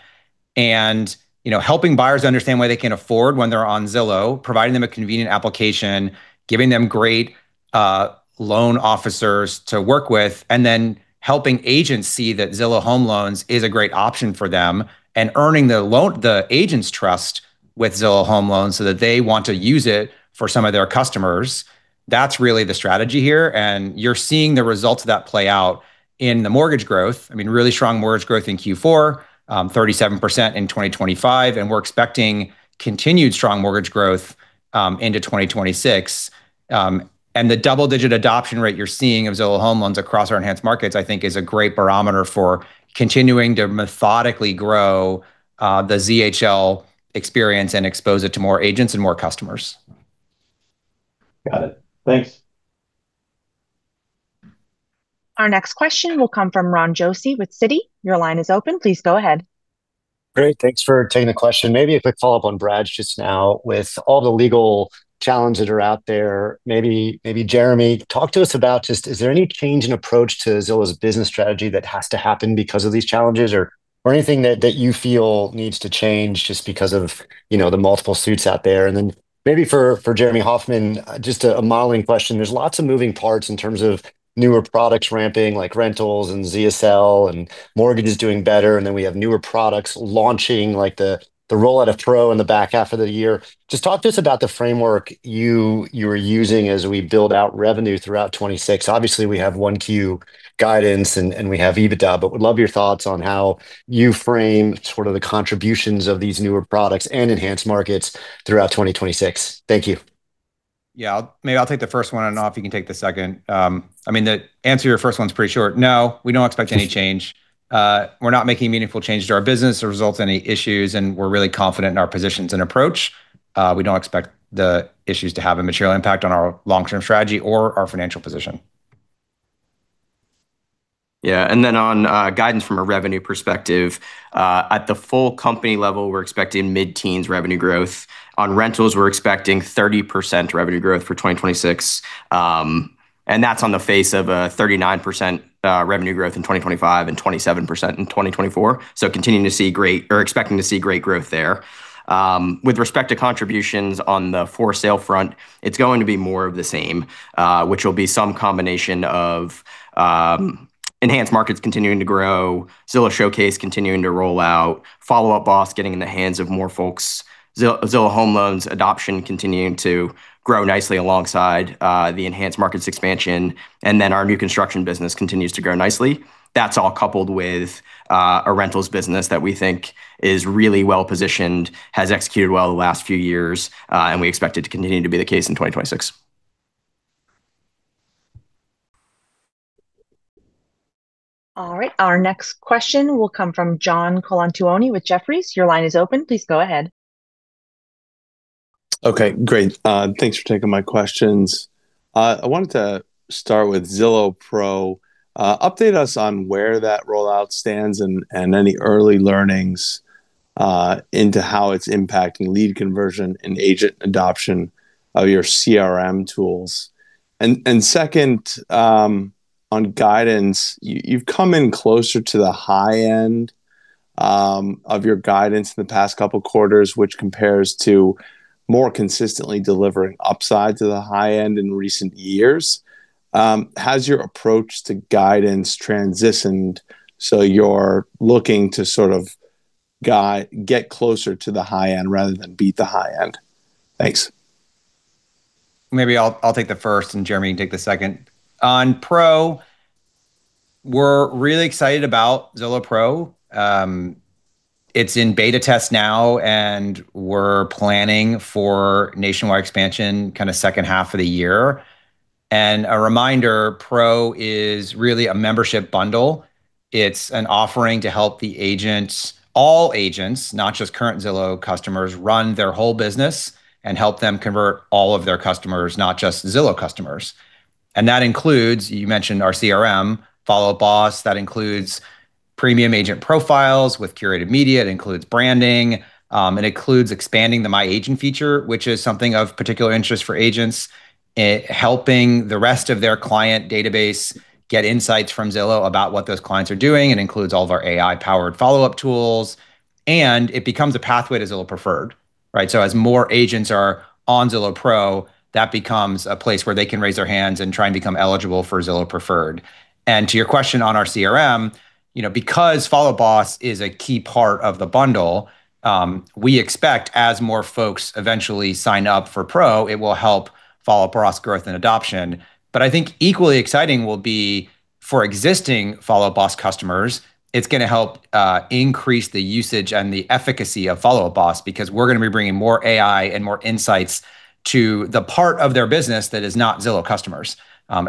and, you know, helping buyers understand what they can afford when they're on Zillow, providing them a convenient application, giving them great loan officers to work with, and then helping agents see that Zillow Home Loans is a great option for them, and earning the agent's trust with Zillow Home Loans so that they want to use it for some of their customers. That's really the strategy here, and you're seeing the results of that play out in the mortgage growth. I mean, really strong mortgage growth in Q4, 37% in 2025, and we're expecting continued strong mortgage growth into 2026. The double-digit adoption rate you're seeing of Zillow Home Loans across our Enhanced Markets, I think, is a great barometer for continuing to methodically grow the ZHL experience and expose it to more agents and more customers. Got it. Thanks. Our next question will come from Ron Josey with Citi. Your line is open. Please go ahead. Great, thanks for taking the question. Maybe a quick follow-up on Brad's just now. With all the legal challenges that are out there, maybe Jeremy, talk to us about just, is there any change in approach to Zillow's business strategy that has to happen because of these challenges or anything that you feel needs to change just because of, you know, the multiple suits out there? And then maybe for Jeremy Hofmann, just a modeling question. There's lots of moving parts in terms of newer products ramping, like rentals and ZHL, and mortgage is doing better, and then we have newer products launching, like the rollout of Pro in the back half of the year. Just talk to us about the framework you are using as we build out revenue throughout 2026. Obviously, we have Q1 guidance, and we have EBITDA, but would love your thoughts on how you frame sort of the contributions of these newer products and Enhanced Markets throughout 2026. Thank you. Yeah, I'll maybe take the first one, and, Jeremy, you can take the second. I mean, the answer to your first one's pretty short: No, we don't expect any change. We're not making meaningful changes to our business or result any issues, and we're really confident in our positions and approach. We don't expect the issues to have a material impact on our long-term strategy or our financial position. Yeah, and then on guidance from a revenue perspective, at the full company level, we're expecting mid-teens revenue growth. On rentals, we're expecting 30% revenue growth for 2026, and that's on the face of a 39% revenue growth in 2025 and 27% in 2024. So continuing to see great or expecting to see great growth there. With respect to contributions on the for sale front, it's going to be more of the same, which will be some combination of, Enhanced Markets continuing to grow, Zillow Showcase continuing to roll out, Follow Up Boss getting in the hands of more folks, Zillow Home Loans adoption continuing to grow nicely alongside, the Enhanced Markets expansion, and then our new construction business continues to grow nicely. That's all coupled with a rentals business that we think is really well-positioned, has executed well the last few years, and we expect it to continue to be the case in 2026. All right, our next question will come from John Colantuoni with Jefferies. Your line is open. Please go ahead. Okay, great. Thanks for taking my questions. I wanted to start with Zillow Pro. Update us on where that rollout stands and any early learnings into how it's impacting lead conversion and agent adoption of your CRM tools. And second, on guidance, you've come in closer to the high end of your guidance in the past couple quarters, which compares to more consistently delivering upside to the high end in recent years. Has your approach to guidance transitioned so you're looking to sort of get closer to the high end rather than beat the high end? Thanks. Maybe I'll take the first, and Jeremy, you take the second. On Pro, we're really excited about Zillow Pro. It's in beta test now, and we're planning for nationwide expansion kind of second half of the year. And a reminder, Pro is really a membership bundle. It's an offering to help the agents, all agents, not just current Zillow customers, run their whole business and help them convert all of their customers, not just Zillow customers. And that includes, you mentioned our CRM, Follow Up Boss. That includes premium agent profiles with curated media, it includes branding, it includes expanding the My Agent feature, which is something of particular interest for agents, helping the rest of their client database get insights from Zillow about what those clients are doing, and includes all of our AI-powered follow-up tools, and it becomes a pathway to Zillow Preferred, right? As more agents are on Zillow Pro, that becomes a place where they can raise their hands and try and become eligible for Zillow Preferred. To your question on our CRM, you know, because Follow Up Boss is a key part of the bundle, we expect as more folks eventually sign up for Pro, it will help Follow Up Boss growth and adoption. I think equally exciting will be for existing Follow Up Boss customers, it's gonna help increase the usage and the efficacy of Follow Up Boss, because we're gonna be bringing more AI and more insights to the part of their business that is not Zillow customers.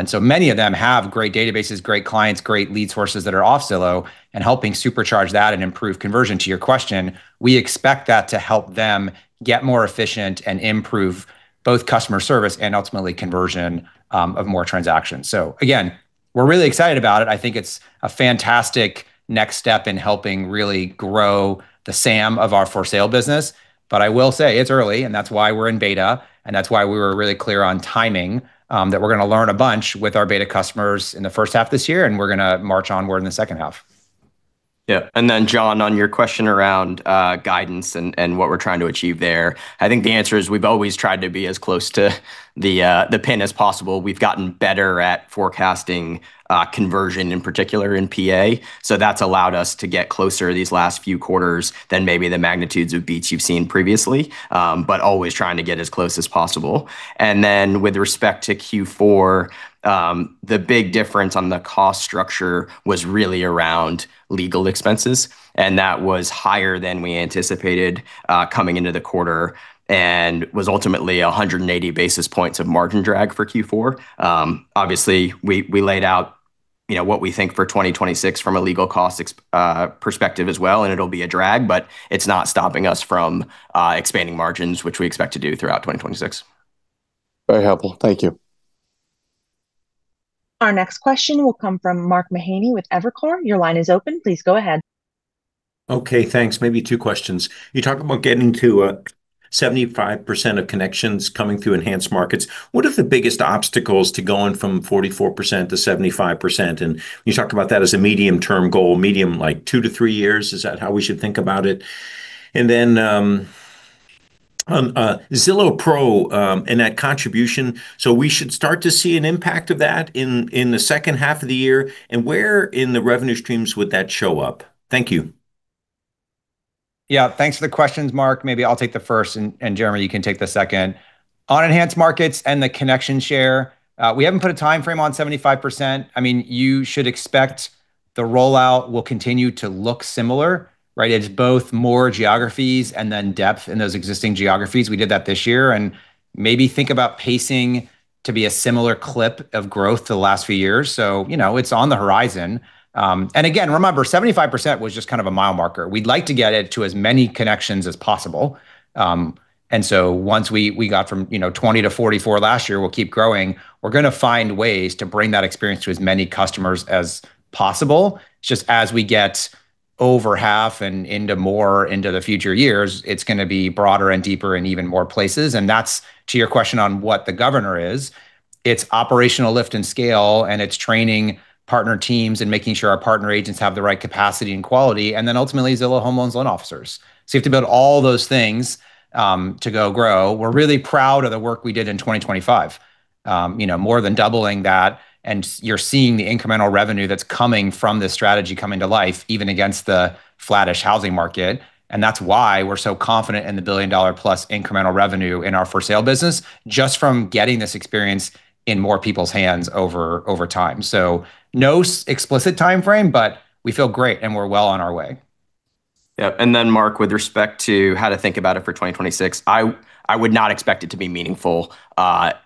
So many of them have great databases, great clients, great lead sources that are off Zillow, and helping supercharge that and improve conversion. To your question, we expect that to help them get more efficient and improve both customer service and ultimately conversion of more transactions. So again, we're really excited about it. I think it's a fantastic next step in helping really grow the SAM of our for sale business. But I will say, it's early, and that's why we're in beta, and that's why we were really clear on timing that we're gonna learn a bunch with our beta customers in the first half of this year, and we're gonna march onward in the second half. Yeah, and then, John, on your question around guidance and what we're trying to achieve there, I think the answer is we've always tried to be as close to the pin as possible. We've gotten better at forecasting conversion, in particular in PA, so that's allowed us to get closer these last few quarters than maybe the magnitudes of beats you've seen previously, but always trying to get as close as possible. And then, with respect to Q4, the big difference on the cost structure was really around legal expenses, and that was higher than we anticipated coming into the quarter and was ultimately 180 basis points of margin drag for Q4. Obviously, we laid out, you know, what we think for 2026 from a legal cost expense perspective as well, and it'll be a drag, but it's not stopping us from expanding margins, which we expect to do throughout 2026. Very helpful. Thank you. Our next question will come from Mark Mahaney with Evercore. Your line is open. Please go ahead. Okay, thanks. Maybe two questions. You talked about getting to 75% of connections coming through Enhanced Markets. What are the biggest obstacles to going from 44% to 75%? You talked about that as a medium-term goal, medium, like two to three years. Is that how we should think about it? And then, Zillow Pro, and that contribution, so we should start to see an impact of that in the second half of the year? And where in the revenue streams would that show up? Thank you. Yeah, thanks for the questions, Mark. Maybe I'll take the first, and Jeremy, you can take the second. On Enhanced Markets and the connection share, we haven't put a timeframe on 75%. I mean, you should expect the rollout will continue to look similar, right? It's both more geographies and then depth in those existing geographies. We did that this year. And maybe think about pacing to be a similar clip of growth to the last few years. So, you know, it's on the horizon. And again, remember, 75% was just kind of a mile marker. We'd like to get it to as many connections as possible. And so once we got from, you know, 20 to 44 last year, we'll keep growing. We're gonna find ways to bring that experience to as many customers as possible. Just as we get over half and into more into the future years, it's gonna be broader and deeper in even more places, and that's to your question on what the governor is. It's operational lift and scale, and it's training partner teams and making sure our partner agents have the right capacity and quality, and then ultimately, Zillow Home Loans loan officers. So you have to build all those things to go grow. We're really proud of the work we did in 2025, you know, more than doubling that, and you're seeing the incremental revenue that's coming from this strategy coming to life, even against the flattish housing market. And that's why we're so confident in the billion-dollar-plus incremental revenue in our for-sale business, just from getting this experience in more people's hands over time. So no explicit timeframe, but we feel great, and we're well on our way. Yeah, and then Mark, with respect to how to think about it for 2026, I would not expect it to be meaningful,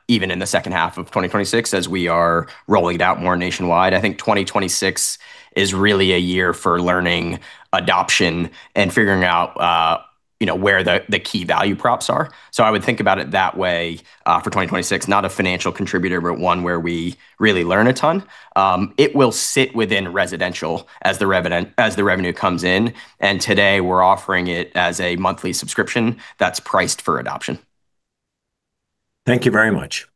even in the second half of 2026, as we are rolling it out more nationwide. I think 2026 is really a year for learning, adoption, and figuring out, you know, where the key value props are. So I would think about it that way, for 2026, not a financial contributor, but one where we really learn a ton. It will sit within residential as the revenue comes in, and today we're offering it as a monthly subscription that's priced for adoption. Thank you very much.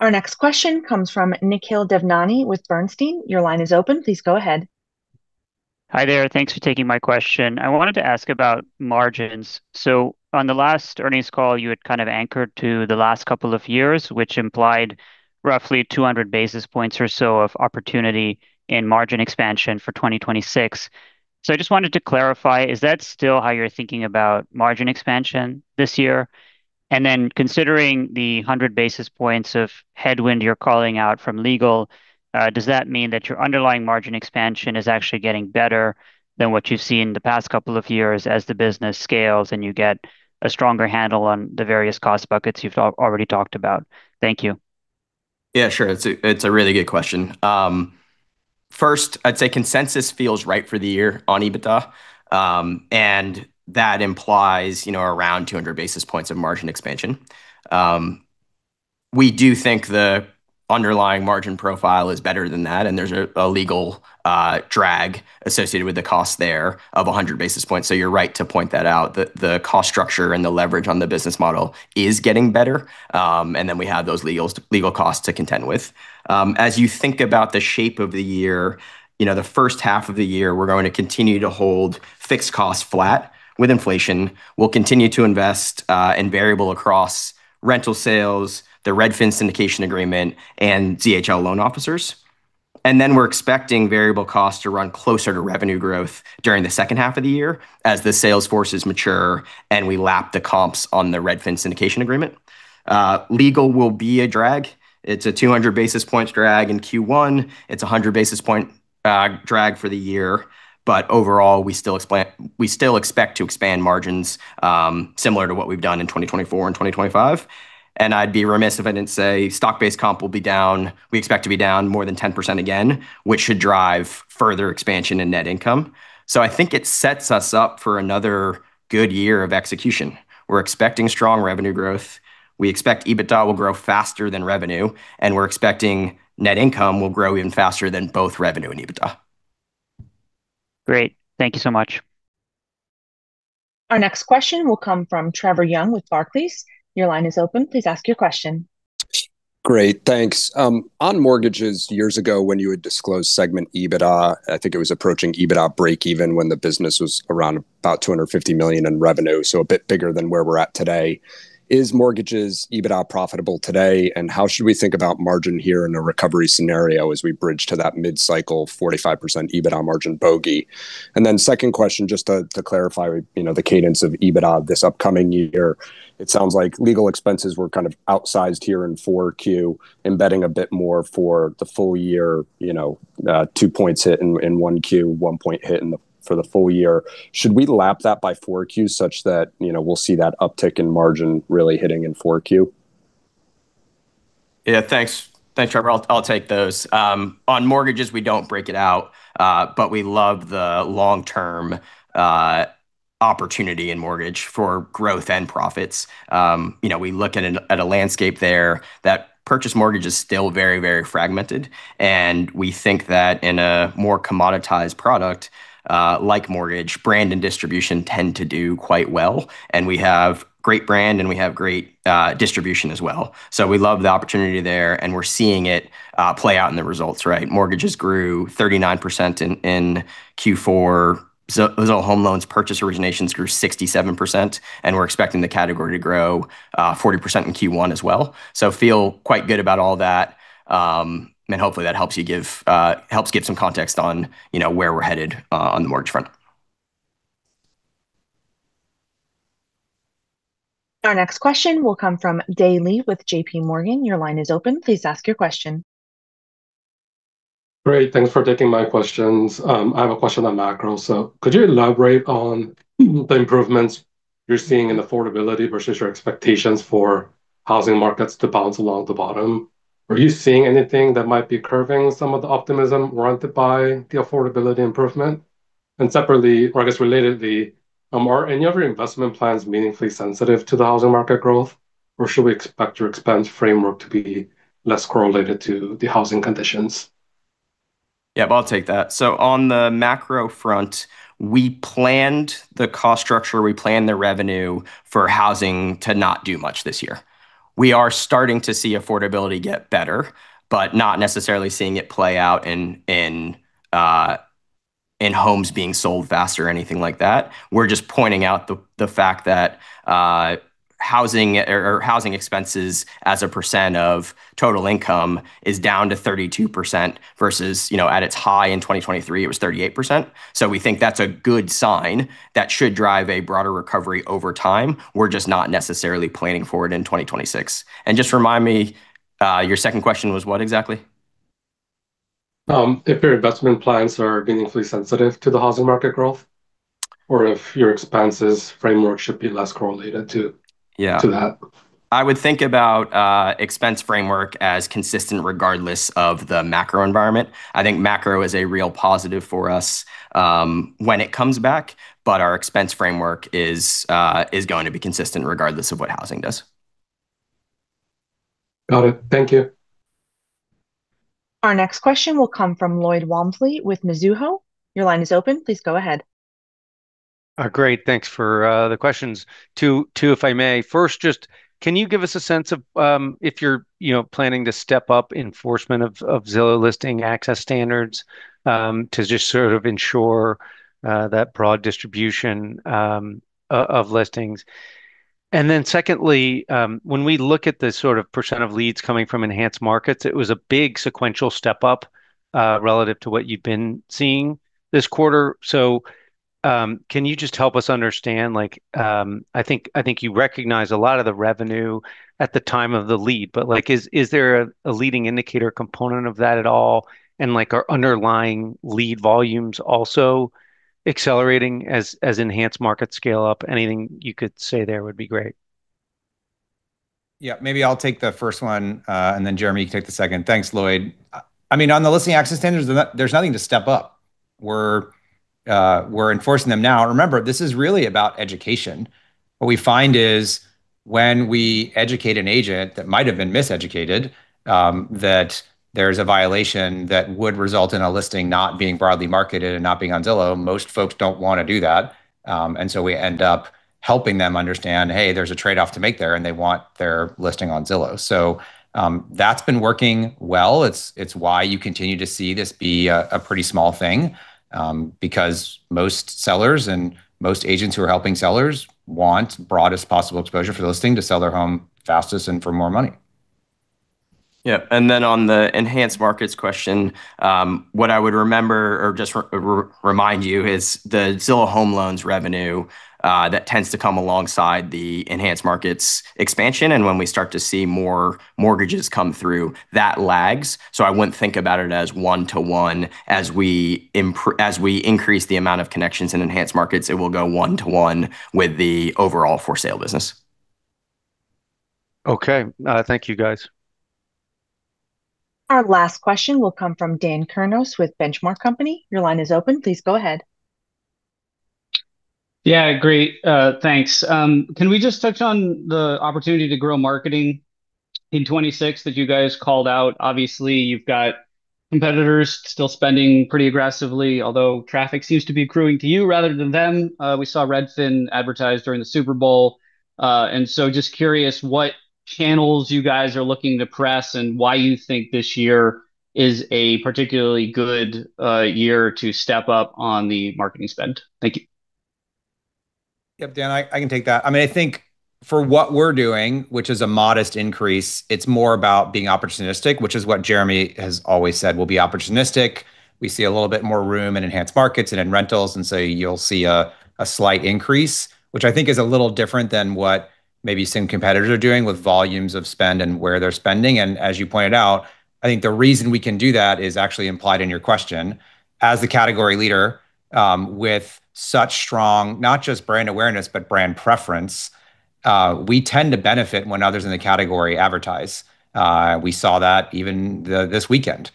Our next question comes from Nikhil Devnani with Bernstein. Your line is open. Please go ahead. Hi there. Thanks for taking my question. I wanted to ask about margins. So on the last earnings call, you had kind of anchored to the last couple of years, which implied roughly 200 basis points or so of opportunity in margin expansion for 2026. So I just wanted to clarify, is that still how you're thinking about margin expansion this year? And then, considering the 100 basis points of headwind you're calling out from legal, does that mean that your underlying margin expansion is actually getting better than what you've seen in the past couple of years as the business scales and you get a stronger handle on the various cost buckets you've already talked about? Thank you. Yeah, sure. It's a, it's a really good question. First, I'd say consensus feels right for the year on EBITDA, and that implies, you know, around 200 basis points of margin expansion. We do think the underlying margin profile is better than that, and there's a, a legal drag associated with the cost there of 100 basis points, so you're right to point that out. The, the cost structure and the leverage on the business model is getting better, and then we have those legal costs to contend with. As you think about the shape of the year, you know, the first half of the year, we're going to continue to hold fixed costs flat with inflation. We'll continue to invest in variable across rental sales, the Redfin syndication agreement, and ZHL loan officers. And then, we're expecting variable costs to run closer to revenue growth during the second half of the year as the sales forces mature and we lap the comps on the Redfin syndication agreement. Legal will be a drag. It's a 200 basis points drag in Q1. It's a 100 basis point drag for the year, but overall, we still expect to expand margins, similar to what we've done in 2024 and 2025. And I'd be remiss if I didn't say stock-based comp will be down. We expect to be down more than 10% again, which should drive further expansion in net income. So I think it sets us up for another good year of execution. We're expecting strong revenue growth. We expect EBITDA will grow faster than revenue, and we're expecting net income will grow even faster than both revenue and EBITDA. Great. Thank you so much. Our next question will come from Trevor Young with Barclays. Your line is open. Please ask your question. Great. Thanks. On mortgages, years ago, when you would disclose segment EBITDA, I think it was approaching EBITDA break-even when the business was around about $250 million in revenue, so a bit bigger than where we're at today. Is mortgages EBITDA profitable today, and how should we think about margin here in a recovery scenario as we bridge to that mid-cycle 45% EBITDA margin bogey? And then second question, just to clarify, you know, the cadence of EBITDA this upcoming year. It sounds like legal expenses were kind of outsized here in Q4, embedding a bit more for the full year, you know, 2 points hit in one Q, 1 point hit for the full year. Should we lap that by Q4 such that, you know, we'll see that uptick in margin really hitting in Q4? Yeah, thanks. Thanks, Trevor. I'll take those. On mortgages, we don't break it out, but we love the long-term opportunity in mortgage for growth and profits. You know, we look at a landscape there, that purchase mortgage is still very, very fragmented, and we think that in a more commoditized product, like mortgage, brand and distribution tend to do quite well. And we have great brand, and we have great distribution as well. So we love the opportunity there, and we're seeing it play out in the results, right? Mortgages grew 39% in Q4. So Zillow Home Loans purchase originations grew 67%, and we're expecting the category to grow 40% in Q1 as well. So feel quite good about all that. Hopefully that helps give some context on, you know, where we're headed on the mortgage front. Our next question will come from Daley with JPMorgan. Your line is open. Please ask your question. Great, thanks for taking my questions. I have a question on macro. So could you elaborate on the improvements you're seeing in affordability versus your expectations for housing markets to bounce along the bottom? Are you seeing anything that might be curving some of the optimism warranted by the affordability improvement? And separately, or I guess, relatedly, are any of your investment plans meaningfully sensitive to the housing market growth, or should we expect your expense framework to be less correlated to the housing conditions? Yeah, I'll take that. So on the macro front, we planned the cost structure, we planned the revenue for housing to not do much this year. We are starting to see affordability get better, but not necessarily seeing it play out in homes being sold faster or anything like that. We're just pointing out the fact that housing expenses as a percent of total income is down to 32% versus, you know, at its high in 2023, it was 38%. So we think that's a good sign that should drive a broader recovery over time. We're just not necessarily planning for it in 2026. And just remind me, your second question was what exactly? If your investment plans are meaningfully sensitive to the housing market growth, or if your expenses framework should be less correlated to- Yeah To that? I would think about expense framework as consistent, regardless of the macro environment. I think macro is a real positive for us, when it comes back, but our expense framework is going to be consistent, regardless of what housing does. Got it. Thank you. Our next question will come from Lloyd Walmsley with Mizuho. Your line is open. Please go ahead. Great, thanks for the questions. Two, if I may. First, just can you give us a sense of if you're, you know, planning to step up enforcement of Zillow listing access standards to just sort of ensure that broad distribution of listings? And then secondly, when we look at the sort of percent of leads coming from Enhanced Markets, it was a big sequential step up relative to what you've been seeing this quarter. So, can you just help us understand, like, I think you recognize a lot of the revenue at the time of the lead, but, like, is there a leading indicator component of that at all? And, like, are underlying lead volumes also accelerating as Enhanced Markets scale up? Anything you could say there would be great. Yeah, maybe I'll take the first one, and then, Jeremy, you can take the second. Thanks, Lloyd. I mean, on the listing access standards, there's nothing to step up. We're enforcing them now. Remember, this is really about education. What we find is, when we educate an agent that might have been miseducated, that there's a violation that would result in a listing not being broadly marketed and not being on Zillow, most folks don't want to do that. And so we end up helping them understand, "Hey, there's a trade-off to make there," and they want their listing on Zillow. So, that's been working well. It's why you continue to see this be a pretty small thing, because most sellers and most agents who are helping sellers want broadest possible exposure for listing to sell their home fastest and for more money. Yeah, and then on the Enhanced Markets question, what I would remember or just remind you is the Zillow Home Loans revenue, that tends to come alongside the Enhanced Markets expansion, and when we start to see more mortgages come through, that lags. So I wouldn't think about it as one-to-one. As we increase the amount of connections in Enhanced Markets, it will go one-to-one with the overall for sale business. Okay. Thank you, guys. Our last question will come from Dan Kurnos with The Benchmark Company. Your line is open. Please go ahead. Yeah, great. Thanks. Can we just touch on the opportunity to grow marketing in 2026 that you guys called out? Obviously, you've got competitors still spending pretty aggressively, although traffic seems to be accruing to you rather than them. We saw Redfin advertise during the Super Bowl. And so just curious what channels you guys are looking to press and why you think this year is a particularly good year to step up on the marketing spend. Thank you. Yep, Dan, I can take that. I mean, I think for what we're doing, which is a modest increase, it's more about being opportunistic, which is what Jeremy has always said, "We'll be opportunistic." We see a little bit more room in Enhanced Markets and in rentals, and so you'll see a slight increase, which I think is a little different than what maybe some competitors are doing with volumes of spend and where they're spending. As you pointed out, I think the reason we can do that is actually implied in your question. As the category leader with such strong, not just brand awareness, but brand preference, we tend to benefit when others in the category advertise. We saw that even this weekend.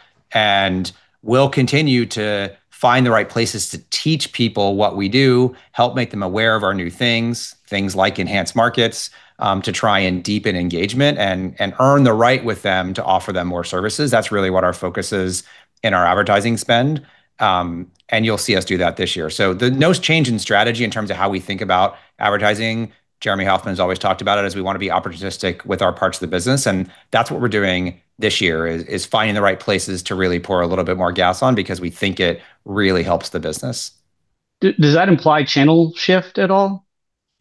We'll continue to find the right places to teach people what we do, help make them aware of our new things, things like Enhanced Markets, to try and deepen engagement and, and earn the right with them to offer them more services. That's really what our focus is in our advertising spend, and you'll see us do that this year. So no change in strategy in terms of how we think about advertising. Jeremy Hofmann's always talked about it as we want to be opportunistic with our parts of the business, and that's what we're doing this year, is, is finding the right places to really pour a little bit more gas on because we think it really helps the business. Does that imply channel shift at all?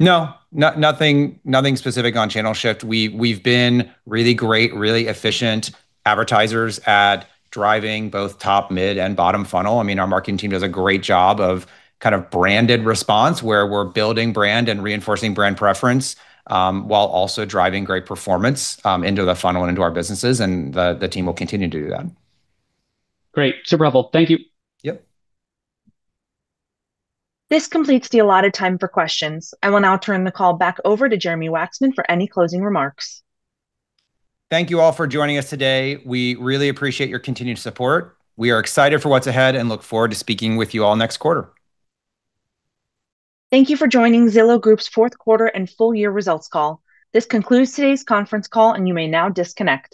No. Nothing specific on channel shift. We've been really great, really efficient advertisers at driving both top, mid, and bottom funnel. I mean, our marketing team does a great job of kind of branded response, where we're building brand and reinforcing brand preference while also driving great performance into the funnel and into our businesses, and the team will continue to do that. Great. Super helpful. Thank you. Yep. This completes the allotted time for questions. I will now turn the call back over to Jeremy Wacksman for any closing remarks. Thank you all for joining us today. We really appreciate your continued support. We are excited for what's ahead and look forward to speaking with you all next quarter. Thank you for joining Zillow Group's fourth quarter and full year results call. This concludes today's conference call, and you may now disconnect.